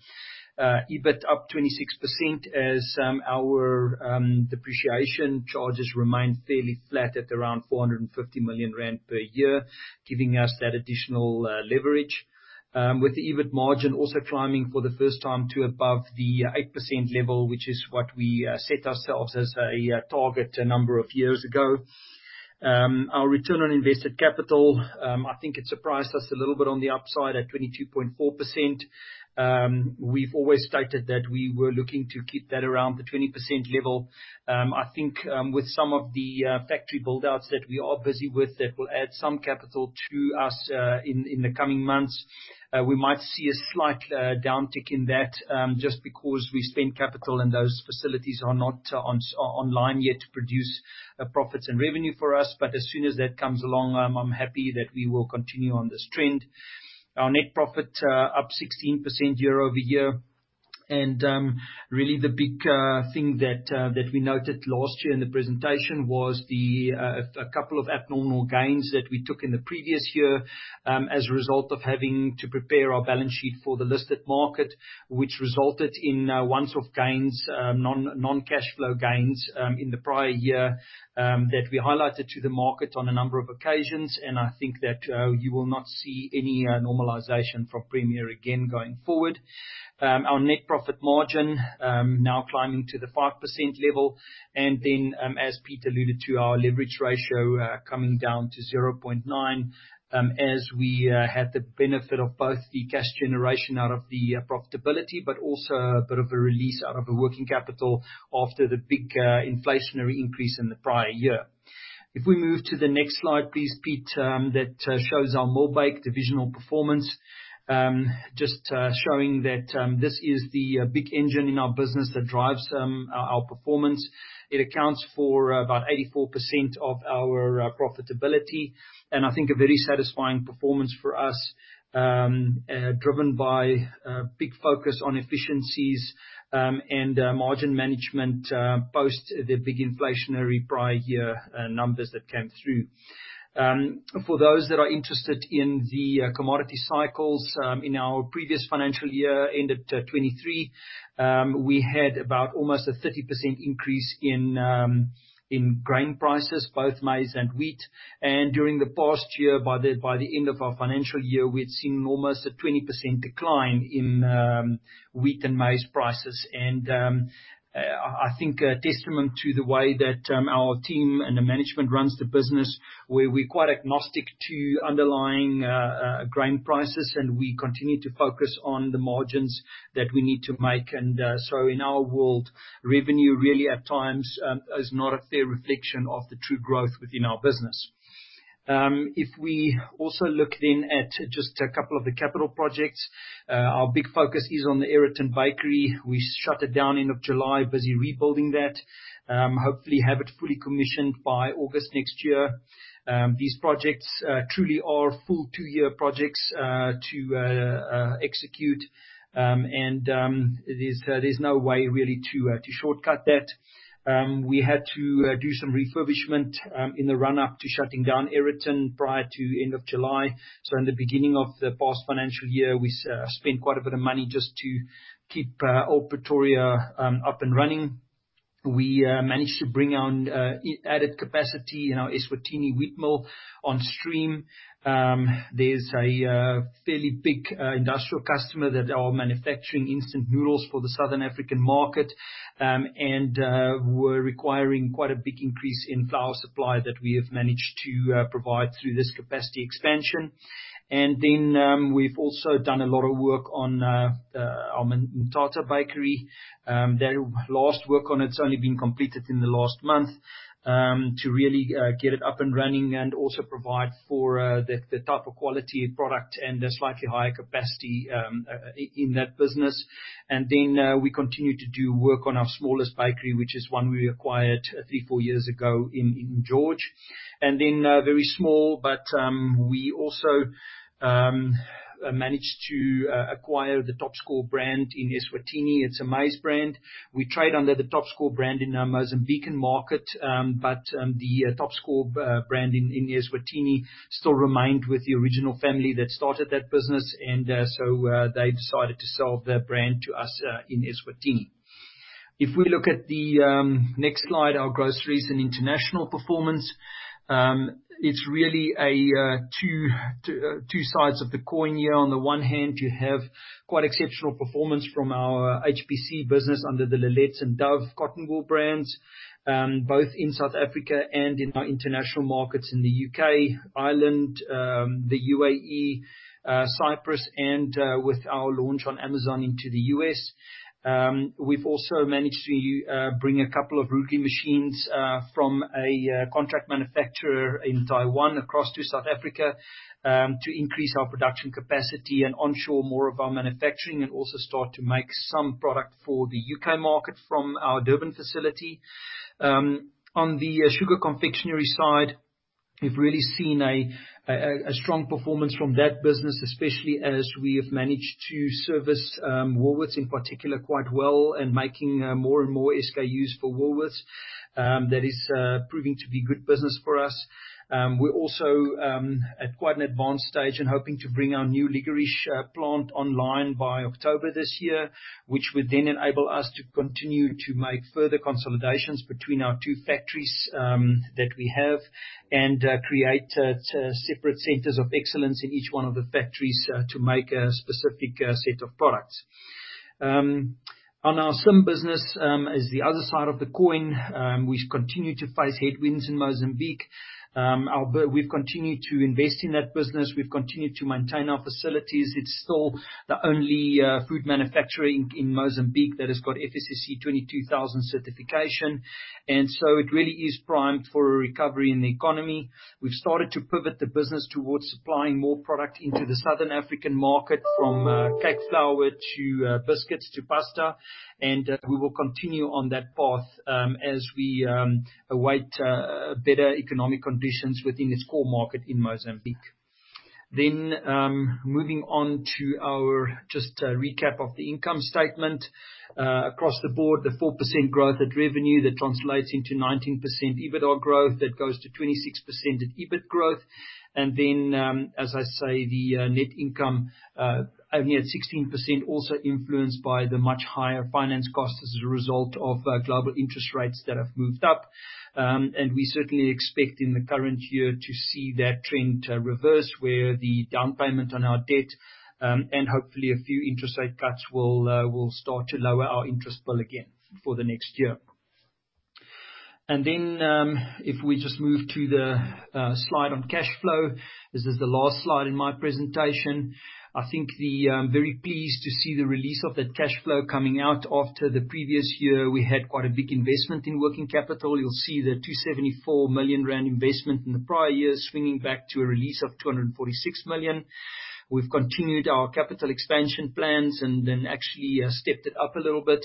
EBIT up 26% as our depreciation charges remain fairly flat at around 450 million rand per year, giving us that additional leverage. With the EBIT margin also climbing for the first time to above the 8% level, which is what we set ourselves as a target a number of years ago. Our return on invested capital, I think it surprised us a little bit on the upside at 22.4%. We've always stated that we were looking to keep that around the 20% level. I think with some of the factory build-outs that we are busy with that will add some capital to us in the coming months, we might see a slight downtick in that just because we spend capital and those facilities are not online yet to produce profits and revenue for us. But as soon as that comes along, I'm happy that we will continue on this trend. Our net profit up 16% year-over-year. Really, the big thing that we noted last year in the presentation was a couple of abnormal gains that we took in the previous year as a result of having to prepare our balance sheet for the listed market, which resulted in one-off gains, non-cash flow gains in the prior year that we highlighted to the market on a number of occasions. I think that you will not see any normalization from Premier again going forward. Our net profit margin now climbing to the 5% level. Then, as Peter alluded to, our leverage ratio coming down to 0.9 as we had the benefit of both the cash generation out of the profitability, but also a bit of a release out of the working capital after the big inflationary increase in the prior year. If we move to the next slide, please, Peter. That shows our Millbake divisional performance, just showing that this is the big engine in our business that drives our performance. It accounts for about 84% of our profitability. I think a very satisfying performance for us, driven by a big focus on efficiencies and margin management post the big inflationary prior year numbers that came through. For those that are interested in the commodity cycles, in our previous financial year ended 2023, we had about almost a 30% increase in grain prices, both maize and wheat. During the past year, by the end of our financial year, we'd seen almost a 20% decline in wheat and maize prices. I think a testament to the way that our team and the management runs the business, where we're quite agnostic to underlying grain prices, and we continue to focus on the margins that we need to make. So in our world, revenue really at times is not a fair reflection of the true growth within our business. If we also look then at just a couple of the capital projects, our big focus is on the Aeroton Bakery. We shut it down end of July, busy rebuilding that. Hopefully, have it fully commissioned by August next year. These projects truly are full two-year projects to execute. And there's no way really to shortcut that. We had to do some refurbishment in the run-up to shutting down Aeroton prior to end of July. So in the beginning of the past financial year, we spent quite a bit of money just to keep Pretoria up and running. We managed to bring our added capacity in our Eswatini wheat mill on stream. There's a fairly big industrial customer that are manufacturing instant noodles for the Southern African market and were requiring quite a big increase in flour supply that we have managed to provide through this capacity expansion. And then we've also done a lot of work on our Mthatha Bakery. Their last work on it's only been completed in the last month to really get it up and running and also provide for the type of quality product and the slightly higher capacity in that business. And then we continue to do work on our smallest bakery, which is one we acquired three, four years ago in George. Then very small, but we also managed to acquire the Top Score brand in Eswatini. It's a maize brand. We trade under the Top Score brand in our Mozambican market, but the Top Score brand in Eswatini still remained with the original family that started that business. And so they decided to sell their brand to us in Eswatini. If we look at the next slide, our groceries and international performance, it's really two sides of the coin here. On the one hand, you have quite exceptional performance from our HPC business under the Lil-Lets and Dove cotton wool brands, both in South Africa and in our international markets in the U.K., Ireland, the UAE, Cyprus, and with our launch on Amazon into the US. We've also managed to bring a couple of robotic machines from a contract manufacturer in Taiwan across to South Africa to increase our production capacity and onshore more of our manufacturing and also start to make some product for the U.K. market from our Durban facility. On the sugar confectionery side, we've really seen a strong performance from that business, especially as we have managed to service Woolworths in particular quite well and making more and more SKUs for Woolworths. That is proving to be good business for us. We're also at quite an advanced stage and hoping to bring our new licorice plant online by October this year, which would then enable us to continue to make further consolidations between our two factories that we have and create separate centers of excellence in each one of the factories to make a specific set of products. On our CIM business, as the other side of the coin, we continue to face headwinds in Mozambique. We've continued to invest in that business. We've continued to maintain our facilities. It's still the only food manufacturer in Mozambique that has got FSSC 22000 certification. And so it really is primed for a recovery in the economy. We've started to pivot the business towards supplying more product into the Southern African market from cake flour to biscuits to pasta. And we will continue on that path as we await better economic conditions within its core market in Mozambique. Then moving on to our just recap of the income statement. Across the board, the 4% growth at revenue that translates into 19% EBITDA growth that goes to 26% at EBIT growth. Then, as I say, the net income only at 16% also influenced by the much higher finance costs as a result of global interest rates that have moved up. We certainly expect in the current year to see that trend reverse where the down payment on our debt and hopefully a few interest rate cuts will start to lower our interest bill again for the next year. Then if we just move to the slide on cash flow, this is the last slide in my presentation. I think we're very pleased to see the release of that cash flow coming out after the previous year; we had quite a big investment in working capital. You'll see the 274 million rand investment in the prior year swinging back to a release of 246 million. We've continued our capital expansion plans and then actually stepped it up a little bit.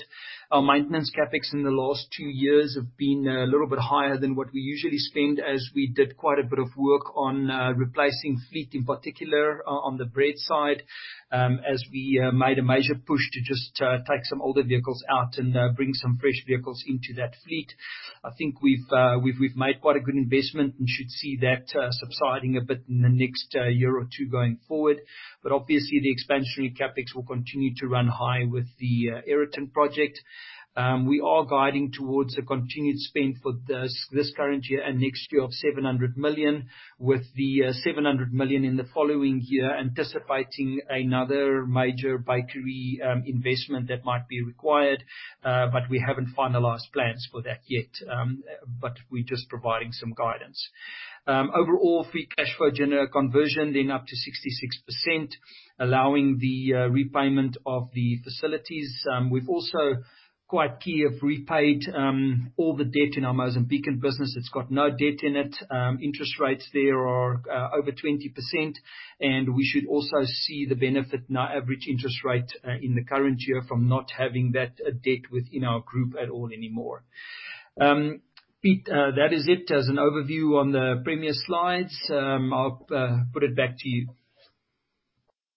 Our maintenance CapEx in the last two years has been a little bit higher than what we usually spend as we did quite a bit of work on replacing fleet in particular on the bread side as we made a major push to just take some older vehicles out and bring some fresh vehicles into that fleet. I think we've made quite a good investment and should see that subsiding a bit in the next year or two going forward. But obviously, the expansionary CapEx will continue to run high with the Aeroton project. We are guiding towards a continued spend for this current year and next year of 700 million, with the 700 million in the following year anticipating another major bakery investment that might be required. But we haven't finalized plans for that yet, but we're just providing some guidance. Overall, free cash flow generation conversion then up to 66%, allowing the repayment of the facilities. We've also, quite key, repaid all the debt in our Mozambican business. It's got no debt in it. Interest rates there are over 20%. And we should also see the benefit in our average interest rate in the current year from not having that debt within our group at all anymore. Peter, that is it as an overview on the Premier slides. I'll put it back to you.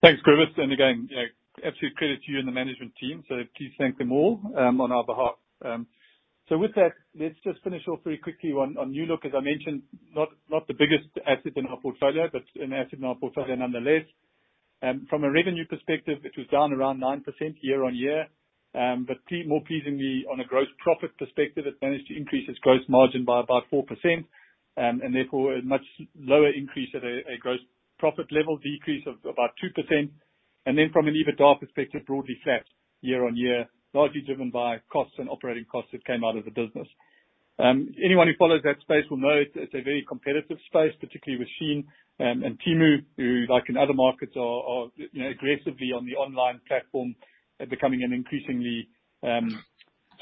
Thanks, Kobus. And again, absolute credit to you and the management team. So please thank them all on our behalf. So with that, let's just finish off very quickly on New Look. As I mentioned, not the biggest asset in our portfolio, but an asset in our portfolio nonetheless. From a revenue perspective, it was down around 9% year-on-year. But more pleasingly, on a gross profit perspective, it managed to increase its gross margin by about 4%. And therefore, a much lower increase at a gross profit level, decrease of about 2%. And then from an EBITDA perspective, broadly flat year-on-year, largely driven by costs and operating costs that came out of the business. Anyone who follows that space will know it's a very competitive space, particularly with SHEIN and Temu, who like in other markets are aggressively on the online platform, becoming an increasingly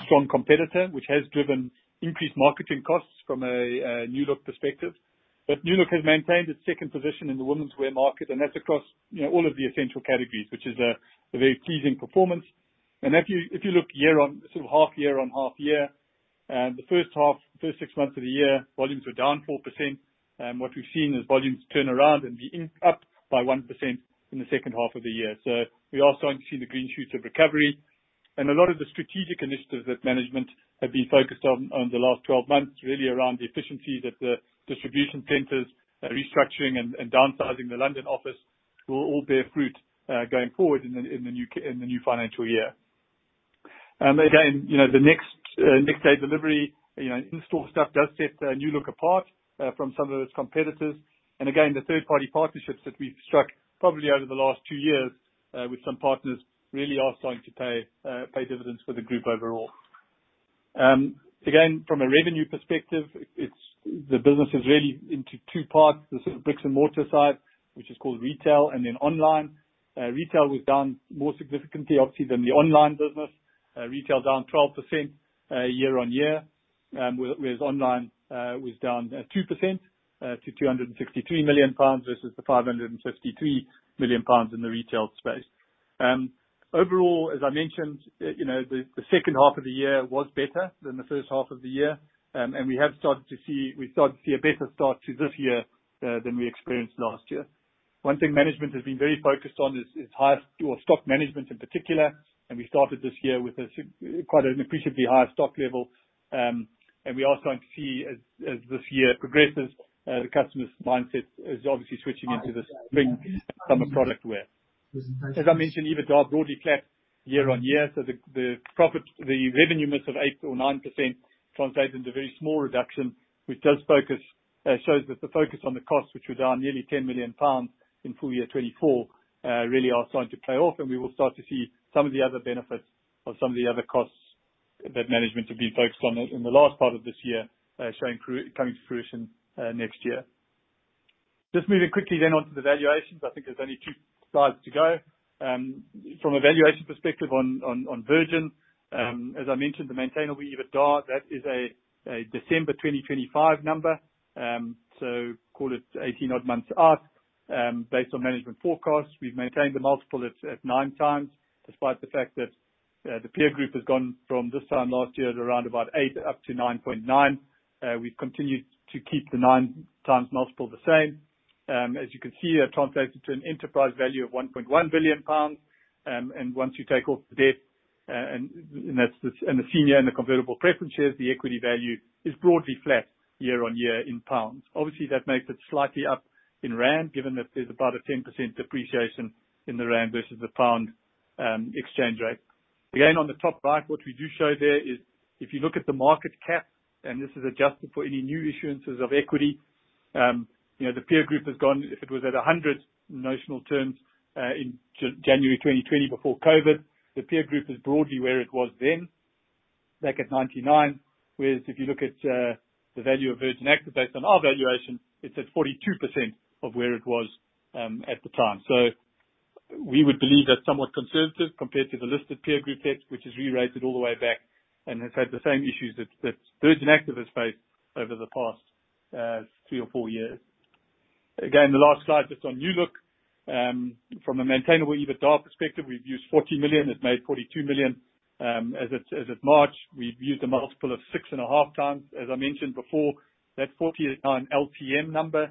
strong competitor, which has driven increased marketing costs from a New Look perspective. But New Look has maintained its second position in the women's wear market, and that's across all of the essential categories, which is a very pleasing performance. If you look year on, sort of half year on half year, the first half, first six months of the year, volumes were down 4%. What we've seen is volumes turn around and be up by 1% in the second half of the year. We are starting to see the green shoots of recovery. A lot of the strategic initiatives that management have been focused on over the last 12 months, really around the efficiencies at the distribution centers, restructuring and downsizing the London office, will all bear fruit going forward in the new financial year. Again, the next day delivery, in-store stuff does set New Look apart from some of its competitors. Again, the third-party partnerships that we've struck probably over the last two years with some partners really are starting to pay dividends for the group overall. Again, from a revenue perspective, the business is really into two parts, the sort of bricks and mortar side, which is called retail and then online. Retail was down more significantly, obviously, than the online business. Retail down 12% year-on-year, whereas online was down 2% to 263 million pounds versus the 553 million pounds in the retail space. Overall, as I mentioned, the second half of the year was better than the first half of the year. And we have started to see a better start to this year than we experienced last year. One thing management has been very focused on is inventory stock management in particular. And we are starting to see as this year progresses, the customer's mindset is obviously switching into this spring summer product wear. As I mentioned, EBITDA broadly flat year-on-year. So the revenue miss of 8%-9% translates into a very small reduction, which does show the focus on the costs, which were down nearly 10 million pounds in full year 2024, really are starting to pay off. And we will start to see some of the other benefits of some of the other costs that management have been focused on in the last part of this year coming to fruition next year. Just moving quickly then on to the valuations. I think there's only two slides to go. From a valuation perspective on Virgin, as I mentioned, the maintainable EBITDA, that is a December 2025 number. So call it 18-odd months up based on management forecasts. We've maintained the multiple at nine times despite the fact that the peer group has gone from this time last year to around eight times to 9.9x. We've continued to keep the nine times multiple the same. As you can see, that translates into an enterprise value of 1.1 billion pounds. And once you take off the debt, and that's the senior and the convertible preference shares, the equity value is broadly flat year-on-year in pounds. Obviously, that makes it slightly up in rand, given that there's about a 10% depreciation in the rand versus the pound exchange rate. Again, on the top right, what we do show there is if you look at the market cap, and this is adjusted for any new issuances of equity, the peer group has gone, if it was at 100 in notional terms in January 2020 before COVID, the peer group is broadly where it was then, back at 99. Whereas if you look at the value of Virgin Active based on our valuation, it's at 42% of where it was at the time. So we would believe that's somewhat conservative compared to the listed peer group debt, which has re-rated all the way back and has had the same issues that Virgin Active has faced over the past three or four years. Again, the last slide just on New Look. From a Maintainable EBITDA perspective, we've used 40 million. It made 42 million as of March. We've used a multiple of 6.5x. As I mentioned before, that 49 LTM number,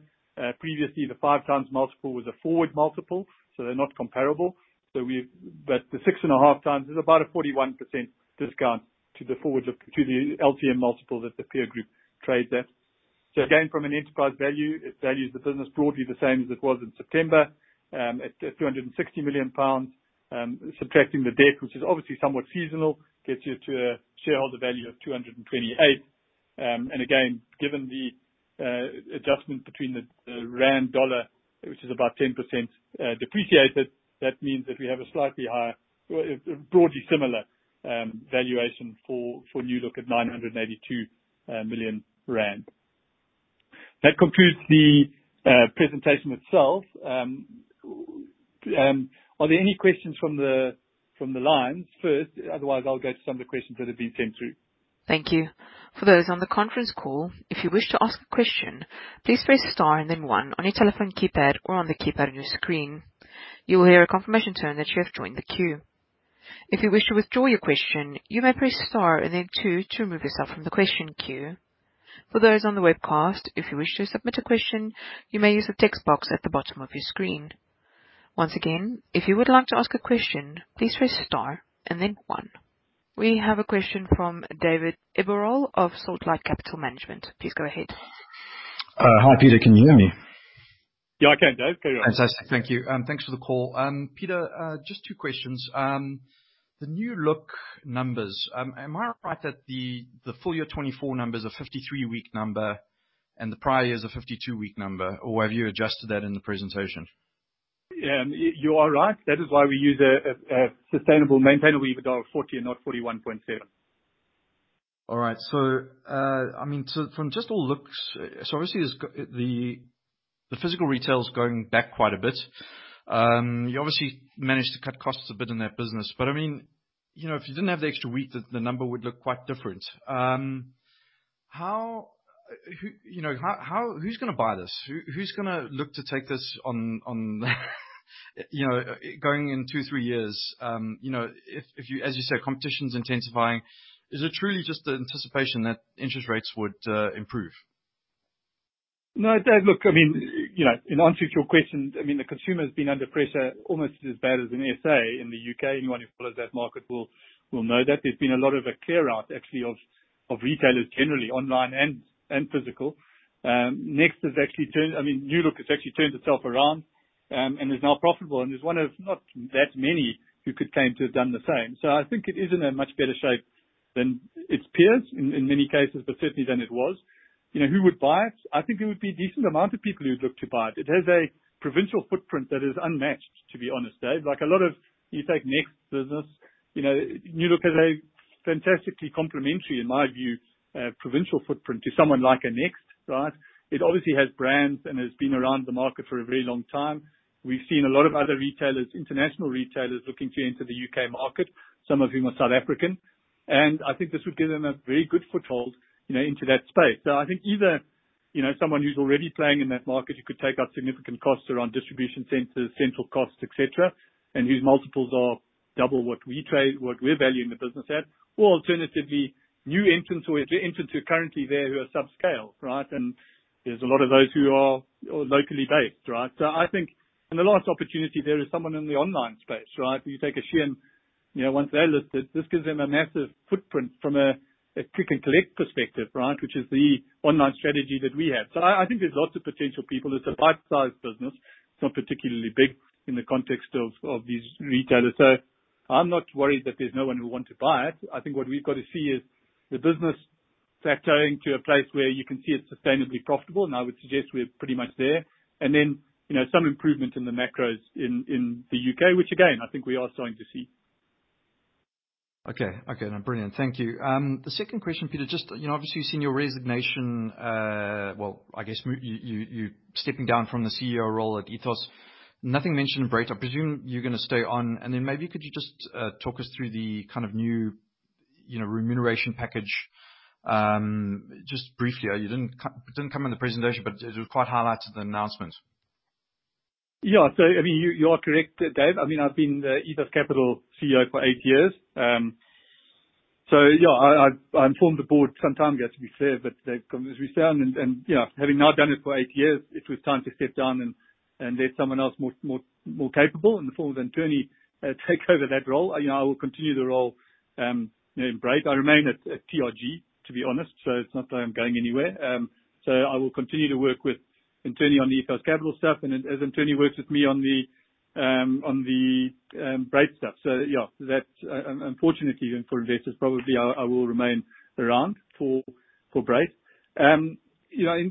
previously the five times multiple was a forward multiple. So they're not comparable. But the 6.5x is about a 41% discount to the forward to the LTM multiple that the peer group trades at. So again, from an enterprise value, it values the business broadly the same as it was in September at 260 million pounds. Subtracting the debt, which is obviously somewhat seasonal, gets you to a shareholder value of 228 million. And again, given the adjustment between the rand dollar, which is about 10% depreciated, that means that we have a slightly higher, broadly similar valuation for New Look at 982 million rand. That concludes the presentation itself. Are there any questions from the lines? First, otherwise, I'll go to some of the questions that have been sent through. Thank you. For those on the conference call, if you wish to ask a question, please press star and then one on your telephone keypad or on the keypad on your screen. You will hear a confirmation tone that you have joined the queue. If you wish to withdraw your question, you may press star and then two to remove yourself from the question queue. For those on the webcast, if you wish to submit a question, you may use the text box at the bottom of your screen. Once again, if you would like to ask a question, please press star and then one. We have a question from David Eborall of SaltLight Capital Management. Please go ahead. Hi, Peter. Can you hear me? Yeah, I can, Dave. Fantastic. Thank you. Thanks for the call. Peter, just two questions. The New Look numbers, am I right that the full year 2024 numbers are 53-week number and the prior year is a 52-week number, or have you adjusted that in the presentation? Yeah, you are right. That is why we use a sustainable maintainable EBITDA of 40 million and not 41.7 million. All right. So I mean, from just all looks, so obviously the physical retail is going back quite a bit. You obviously managed to cut costs a bit in that business. But I mean, if you didn't have the extra week, the number would look quite different. Who's going to buy this? Who's going to look to take this on going in two, three years? As you said, competition is intensifying. Is it truly just the anticipation that interest rates would improve? No, Dave, look, I mean, in answer to your question, I mean, the consumer has been under pressure almost as bad as an S.A. in the U.K. Anyone who follows that market will know that. There's been a lot of a clear out, actually, of retailers generally, online and physical. Next, it's actually turned I mean, New Look has actually turned itself around and is now profitable. And there's one of not that many who could claim to have done the same. So I think it is in a much better shape than its peers in many cases, but certainly than it was. Who would buy it? I think there would be a decent amount of people who'd look to buy it. It has a provincial footprint that is unmatched, to be honest, Dave. Like a lot of, you take Next business, New Look has a fantastically complementary, in my view, provincial footprint to someone like a Next, right? It obviously has brands and has been around the market for a very long time. We've seen a lot of other retailers, international retailers looking to enter the U.K. market, some of whom are South African. And I think this would give them a very good foothold into that space. So I think either someone who's already playing in that market, who could take up significant costs around distribution centers, central costs, etc., and whose multiples are double what we value in the business at, or alternatively, new entrants who are currently there who are subscale, right? And there's a lot of those who are locally based, right? So I think in the last opportunity there is someone in the online space, right? You take a SHEIN, once they're listed, this gives them a massive footprint from a pick and collect perspective, right, which is the online strategy that we have. So I think there's lots of potential people. It's a bite-sized business. It's not particularly big in the context of these retailers. So I'm not worried that there's no one who wants to buy it. I think what we've got to see is the business plateauing to a place where you can see it's sustainably profitable. And I would suggest we're pretty much there. And then some improvement in the macros in the U.K., which again, I think we are starting to see. Okay. Okay. Brilliant. Thank you. The second question, Peter, just obviously you've seen your resignation, well, I guess you're stepping down from the CEO role at Ethos. Nothing mentioned in Brait. I presume you're going to stay on. Then maybe could you just talk us through the kind of new remuneration package? Just briefly, you didn't come in the presentation, but it was quite highlighted in the announcement. Yeah. So I mean, you are correct, Dave. I mean, I've been Ethos Capital CEO for eight years. So yeah, I informed the board some time ago, to be fair, but as we stand, and having now done it for eight years, it was time to step down and let someone else more capable in the form of an attorney take over that role. I will continue the role in Brait. I remain at TRG, to be honest. So it's not like I'm going anywhere. So I will continue to work with Anthonie on the Ethos Capital stuff, and as Anthonie works with me on the Brait stuff. So yeah, unfortunately, for investors, probably I will remain around for Brait. In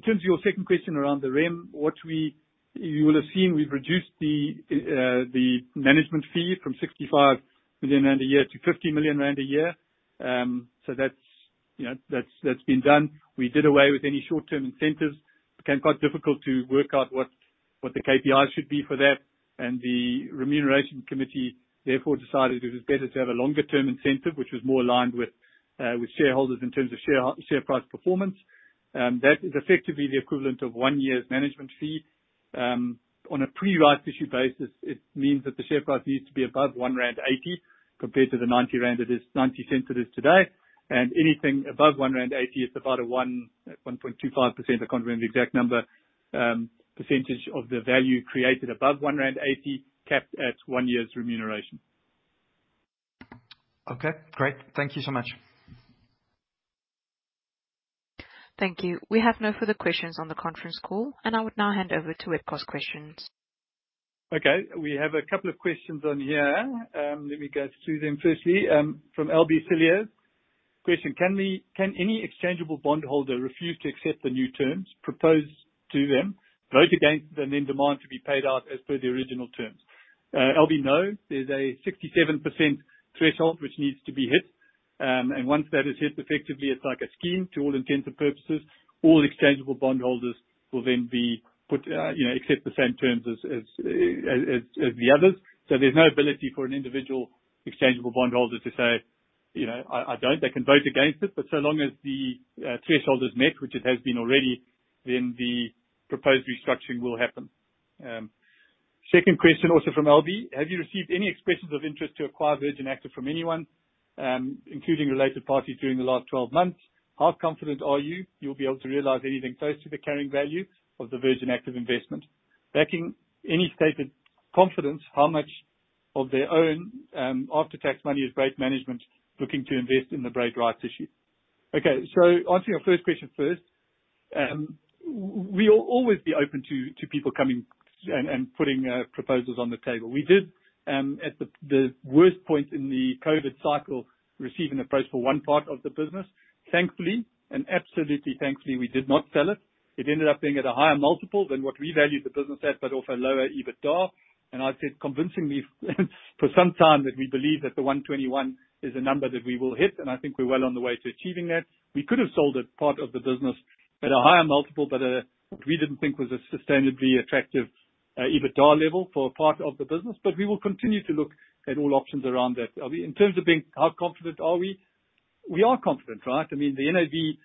terms of your second question around the REM, what you will have seen, we've reduced the management fee from 65 million rand a year to 50 million rand a year. So that's been done. We did away with any short-term incentives. It became quite difficult to work out what the KPIs should be for that. And the remuneration committee therefore decided it was better to have a longer-term incentive, which was more aligned with shareholders in terms of share price performance. That is effectively the equivalent of one year's management fee. On a pre-rights issue basis, it means that the share price needs to be above 1.80 rand compared to the 0.90 it is today. And anything above 1.80 rand, it's about a 1.25%, I can't remember the exact number, percentage of the value created above 1.80 rand capped at one year's remuneration. Okay. Great. Thank you so much. Thank you. We have no further questions on the conference call. And I would now hand over to Webcast questions. Okay. We have a couple of questions on here. Let me go through them. Firstly, from Albie Cilliers. Question, can any exchangeable bondholder refuse to accept the new terms proposed to them, vote against them, and then demand to be paid out as per the original terms? Albie, no. There's a 67% threshold which needs to be hit. And once that is hit, effectively, it's like a scheme to all intents and purposes. All exchangeable bondholders will then be put accept the same terms as the others. So there's no ability for an individual exchangeable bondholder to say, "I don't." They can vote against it. But so long as the threshold is met, which it has been already, then the proposed restructuring will happen. Second question, also from Albie. Have you received any expressions of interest to acquire Virgin Active from anyone, including related parties during the last 12 months? How confident are you you'll be able to realize anything close to the carrying value of the Virgin Active investment? Backing any stated confidence, how much of their own after-tax money is Brait management looking to invest in the Brait rights issue? Okay. So answering your first question first, we will always be open to people coming and putting proposals on the table. We did, at the worst point in the COVID cycle, receive an approach for one part of the business. Thankfully, and absolutely thankfully, we did not sell it. It ended up being at a higher multiple than what we valued the business at, but also lower EBITDA. I've said convincingly for some time that we believe that the 121 is a number that we will hit. I think we're well on the way to achieving that. We could have sold a part of the business at a higher multiple, but we didn't think was a sustainably attractive EBITDA level for a part of the business. But we will continue to look at all options around that. In terms of being how confident are we? We are confident, right? I mean, the NAV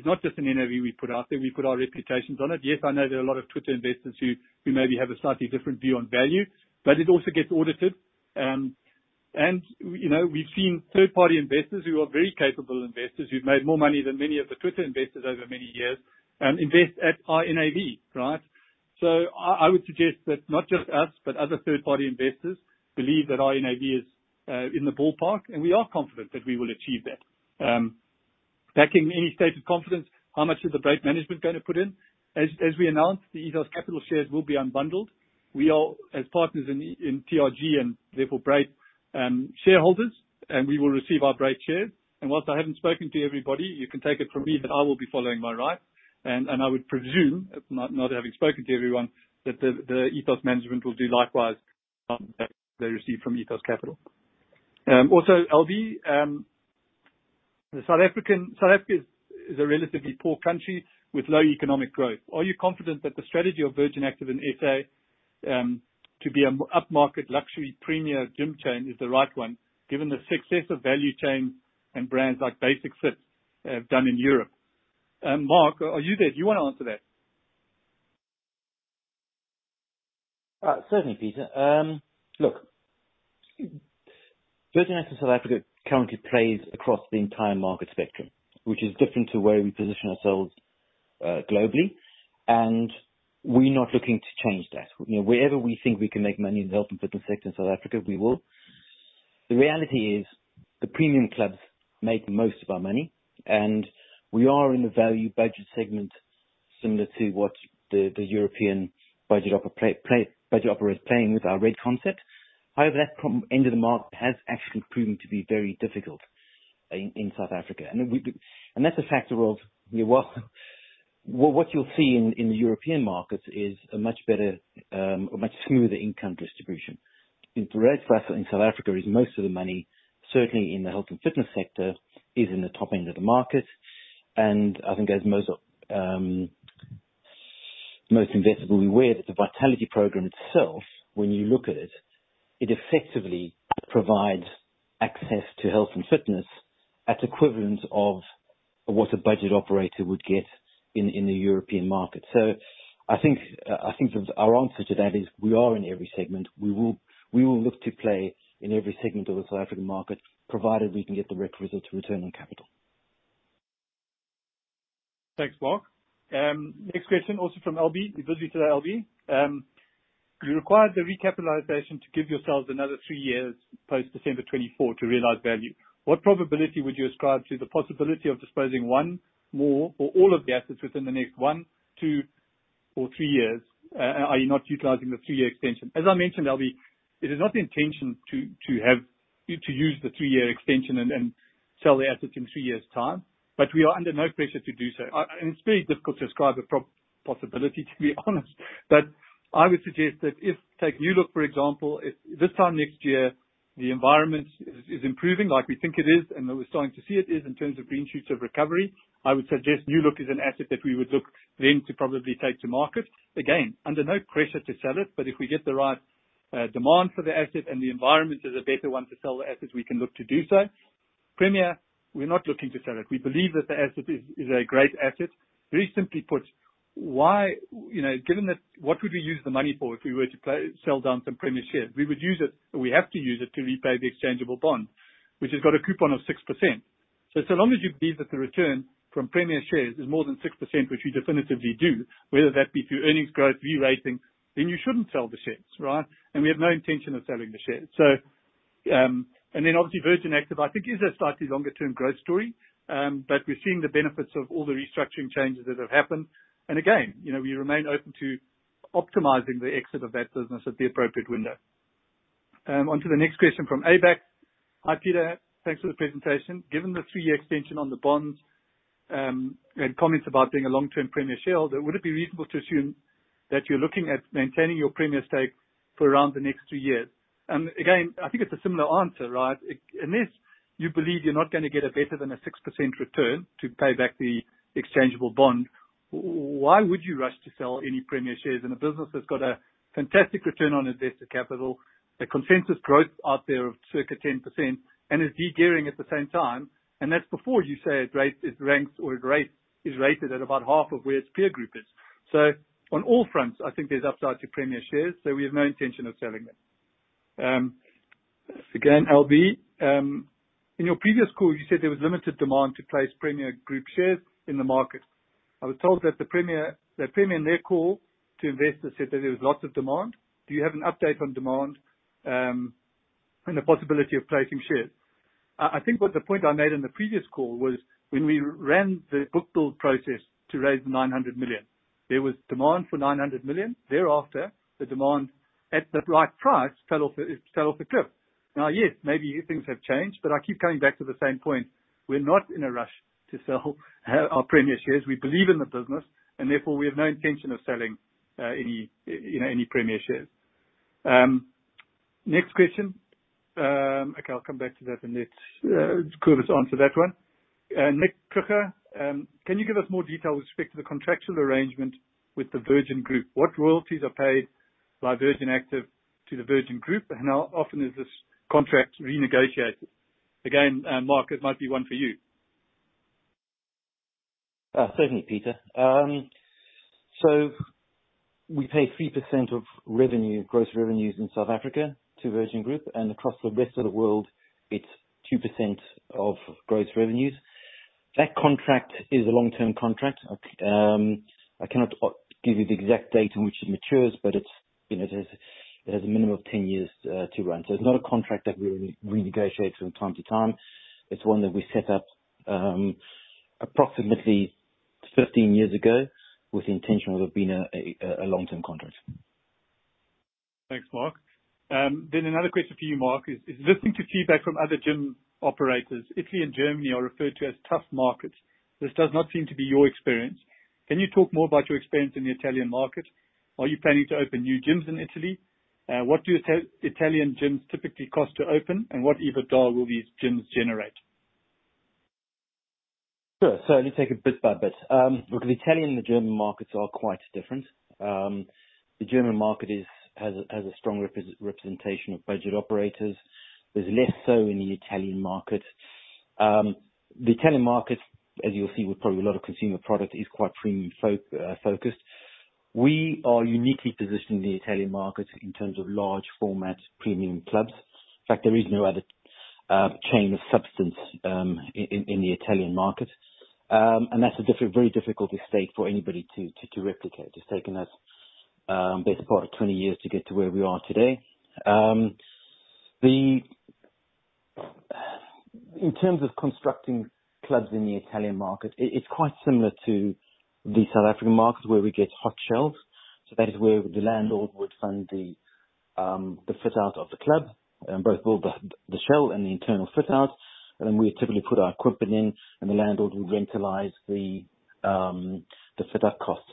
is not just an NAV we put out there. We put our reputations on it. Yes, I know there are a lot of Twitter investors who maybe have a slightly different view on value, but it also gets audited. And we've seen third-party investors who are very capable investors who've made more money than many of the Twitter investors over many years invest at our NAV, right? So I would suggest that not just us, but other third-party investors believe that our NAV is in the ballpark. And we are confident that we will achieve that. Backing any stated confidence, how much is the Brait management going to put in? As we announced, the Ethos Capital shares will be unbundled. We are, as partners in TRG and therefore Brait shareholders, and we will receive our Brait shares. And while I haven't spoken to everybody, you can take it from me that I will be following my rights. I would presume, not having spoken to everyone, that the Ethos management will do likewise on what they receive from Ethos Capital. Also, Albie, South Africa is a relatively poor country with low economic growth. Are you confident that the strategy of Virgin Active and SA to be an upmarket luxury premier gym chain is the right one, given the success of value chains and brands like Basic-Fit have done in Europe? Mark, are you there? Do you want to answer that? Certainly, Peter. Look, Virgin Active South Africa currently plays across the entire market spectrum, which is different to where we position ourselves globally. And we're not looking to change that. Wherever we think we can make money in the health and fitness sector in South Africa, we will. The reality is the premium clubs make most of our money. We are in a value budget segment similar to what the European budget operators are playing with our red concept. However, that end of the market has actually proven to be very difficult in South Africa. That's a factor of what you'll see in the European markets is a much better, much smoother income distribution. The reality in South Africa is most of the money, certainly in the health and fitness sector, is in the top end of the market. I think as most investors will be aware, the Vitality program itself, when you look at it, it effectively provides access to health and fitness at equivalent of what a budget operator would get in the European market. I think our answer to that is we are in every segment. We will look to play in every segment of the South African market, provided we can get the requisite return on capital. Thanks, Mark. Next question, also from Albie. You're busy today, Albie. You required the recapitalization to give yourselves another three years post-December 2024 to realize value. What probability would you ascribe to the possibility of disposing one more or all of the assets within the next one, two, or three years, i.e., not utilizing the three-year extension? As I mentioned, Albie, it is not the intention to use the three-year extension and sell the assets in three years' time, but we are under no pressure to do so. And it's very difficult to ascribe a possibility, to be honest. But I would suggest that if we take New Look, for example, if this time next year the environment is improving like we think it is, and we're starting to see it is in terms of green shoots of recovery, I would suggest New Look is an asset that we would look then to probably take to market. Again, under no pressure to sell it, but if we get the right demand for the asset and the environment is a better one to sell the asset, we can look to do so. Premier, we're not looking to sell it. We believe that the asset is a great asset. Very simply put, why given that what would we use the money for if we were to sell down some Premier shares? We would use it, and we have to use it to repay the exchangeable bond, which has got a coupon of 6%. So, so long as you believe that the return from Premier shares is more than 6%, which we definitively do, whether that be through earnings growth, re-rating, then you shouldn't sell the shares, right? And we have no intention of selling the shares. And then obviously, Virgin Active, I think, is a slightly longer-term growth story, but we're seeing the benefits of all the restructuring changes that have happened. And again, we remain open to optimizing the exit of that business at the appropriate window. Onto the next question from Abax. Hi, Peter. Thanks for the presentation. Given the three-year extension on the bonds and comments about being a long-term Premier share, would it be reasonable to assume that you're looking at maintaining your Premier stake for around the next three years? Again, I think it's a similar answer, right? Unless you believe you're not going to get a better than a 6% return to pay back the exchangeable bond, why would you rush to sell any Premier shares in a business that's got a fantastic return on invested capital, a consensus growth out there of circa 10%, and is degearing at the same time? And that's before you say it ranks or it is rated at about half of where its peer group is. So on all fronts, I think there's upside to Premier shares. So we have no intention of selling them. Again, Albie, in your previous call, you said there was limited demand to place Premier Group shares in the market. I was told that the Premier next call to investors said that there was lots of demand. Do you have an update on demand and the possibility of placing shares? I think the point I made in the previous call was when we ran the book build process to raise the 900 million. There was demand for 900 million. Thereafter, the demand at the right price fell off the cliff. Now, yes, maybe things have changed, but I keep coming back to the same point. We're not in a rush to sell our Premier shares. We believe in the business, and therefore we have no intention of selling any Premier shares. Next question. Okay, I'll come back to that and let's Kobus answer that one. Nico Prakke, can you give us more detail with respect to the contractual arrangement with the Virgin Group? What royalties are paid by Virgin Active to the Virgin Group, and how often is this contract renegotiated? Again, Mark, it might be one for you. Certainly, Peter. So we pay 3% of revenue, gross revenues in South Africa to Virgin Group, and across the rest of the world, it's 2% of gross revenues. That contract is a long-term contract. I cannot give you the exact date in which it matures, but it has a minimum of 10 years to run. So it's not a contract that we renegotiate from time to time. It's one that we set up approximately 15 years ago with the intention of it being a long-term contract. Thanks, Mark. Then another question for you, Mark, is listening to feedback from other gym operators. Italy and Germany are referred to as tough markets. This does not seem to be your experience. Can you talk more about your experience in the Italian market? Are you planning to open new gyms in Italy? What do Italian gyms typically cost to open, and what EBITDA will these gyms generate? Sure. Certainly, take it bit by bit. Look, the Italian and the German markets are quite different. The German market has a strong representation of budget operators. There's less so in the Italian market. The Italian market, as you'll see with probably a lot of consumer products, is quite premium-focused. We are uniquely positioned in the Italian market in terms of large-format premium clubs. In fact, there is no other chain of substance in the Italian market. That's a very difficult state for anybody to replicate. It's taken us, best part, 20 years to get to where we are today. In terms of constructing clubs in the Italian market, it's quite similar to the South African market where we get hot shells. So that is where the landlord would fund the fit-out of the club, both the shell and the internal fit-out. And then we typically put our equipment in, and the landlord would rentalize the fit-out costs.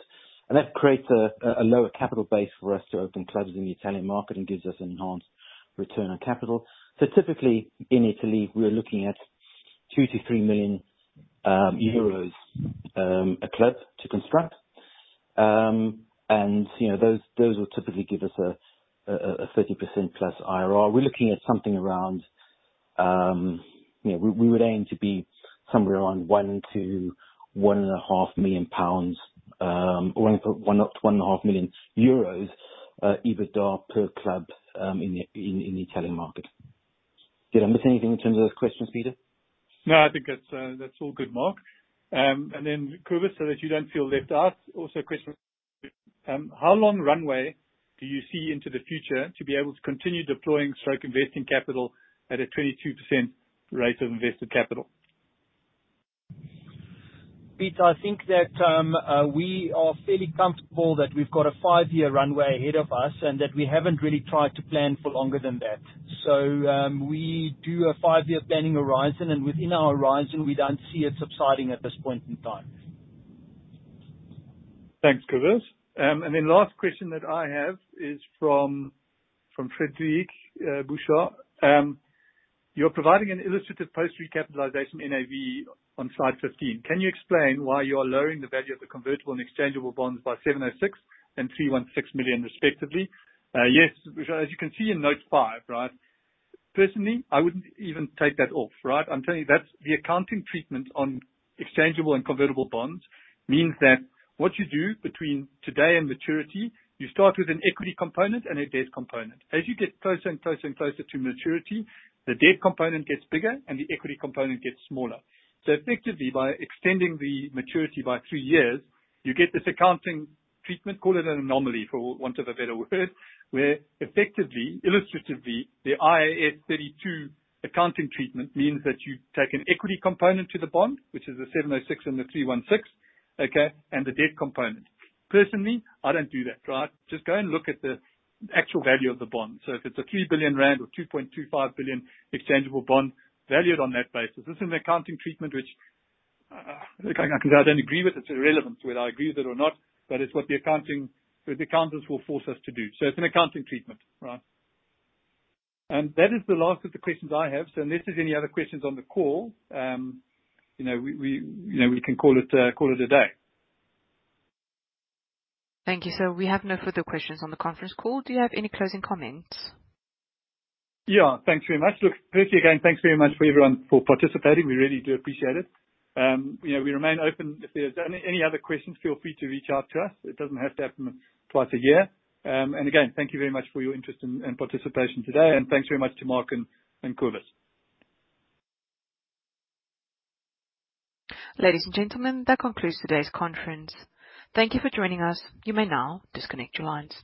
And that creates a lower capital base for us to open clubs in the Italian market and gives us an enhanced return on capital. So typically, in Italy, we're looking at 2 million-3 million euros a club to construct. And those will typically give us a 30%+ IRR. We're looking at something around we would aim to be somewhere around GBP 1 million-GBP 1.5 million or EUR 1.5 million EBITDA per club in the Italian market. Did I miss anything in terms of those questions, Peter? No, I think that's all good, Mark. And then, Kobus said that you don't feel left out. Also, a question: how long runway do you see into the future to be able to continue deploying strike investing capital at a 22% rate of invested capital? Peter, I think that we are fairly comfortable that we've got a five-year runway ahead of us and that we haven't really tried to plan for longer than that. So we do a five-year planning horizon, and within our horizon, we don't see it subsiding at this point in time. Thanks, Kobus. And then last question that I have is from Frederique Bouchard. You're providing an illustrative post-recapitalization NAV on Slide 15. Can you explain why you are lowering the value of the convertible and exchangeable bonds by 706 million and 316 million, respectively? Yes, as you can see in Note 5, right? Personally, I wouldn't even take that off, right? I'm telling you that's the accounting treatment on exchangeable and convertible bonds means that what you do between today and maturity, you start with an equity component and a debt component. As you get closer and closer and closer to maturity, the debt component gets bigger and the equity component gets smaller. So effectively, by extending the maturity by three years, you get this accounting treatment, call it an anomaly for want of a better word, where effectively, illustratively, the IAS 32 accounting treatment means that you take an equity component to the bond, which is the 706 million and the 316 million, okay, and the debt component. Personally, I don't do that, right? Just go and look at the actual value of the bond. So if it's a 3 billion rand or 2.25 billion exchangeable bond, value it on that basis. This is an accounting treatment which I can say I don't agree with. It's irrelevant whether I agree with it or not, but it's what the accountants will force us to do. So it's an accounting treatment, right? And that is the last of the questions I have. So unless there's any other questions on the call, we can call it a day. Thank you. So we have no further questions on the conference call. Do you have any closing comments? Yeah, thanks very much. Look, firstly, again, thanks very much for everyone for participating. We really do appreciate it. We remain open. If there's any other questions, feel free to reach out to us. It doesn't have to happen twice a year. Again, thank you very much for your interest and participation today. Thanks very much to Mark and Kobus. Ladies and gentlemen, that concludes today's conference. Thank you for joining us. You may now disconnect your lines.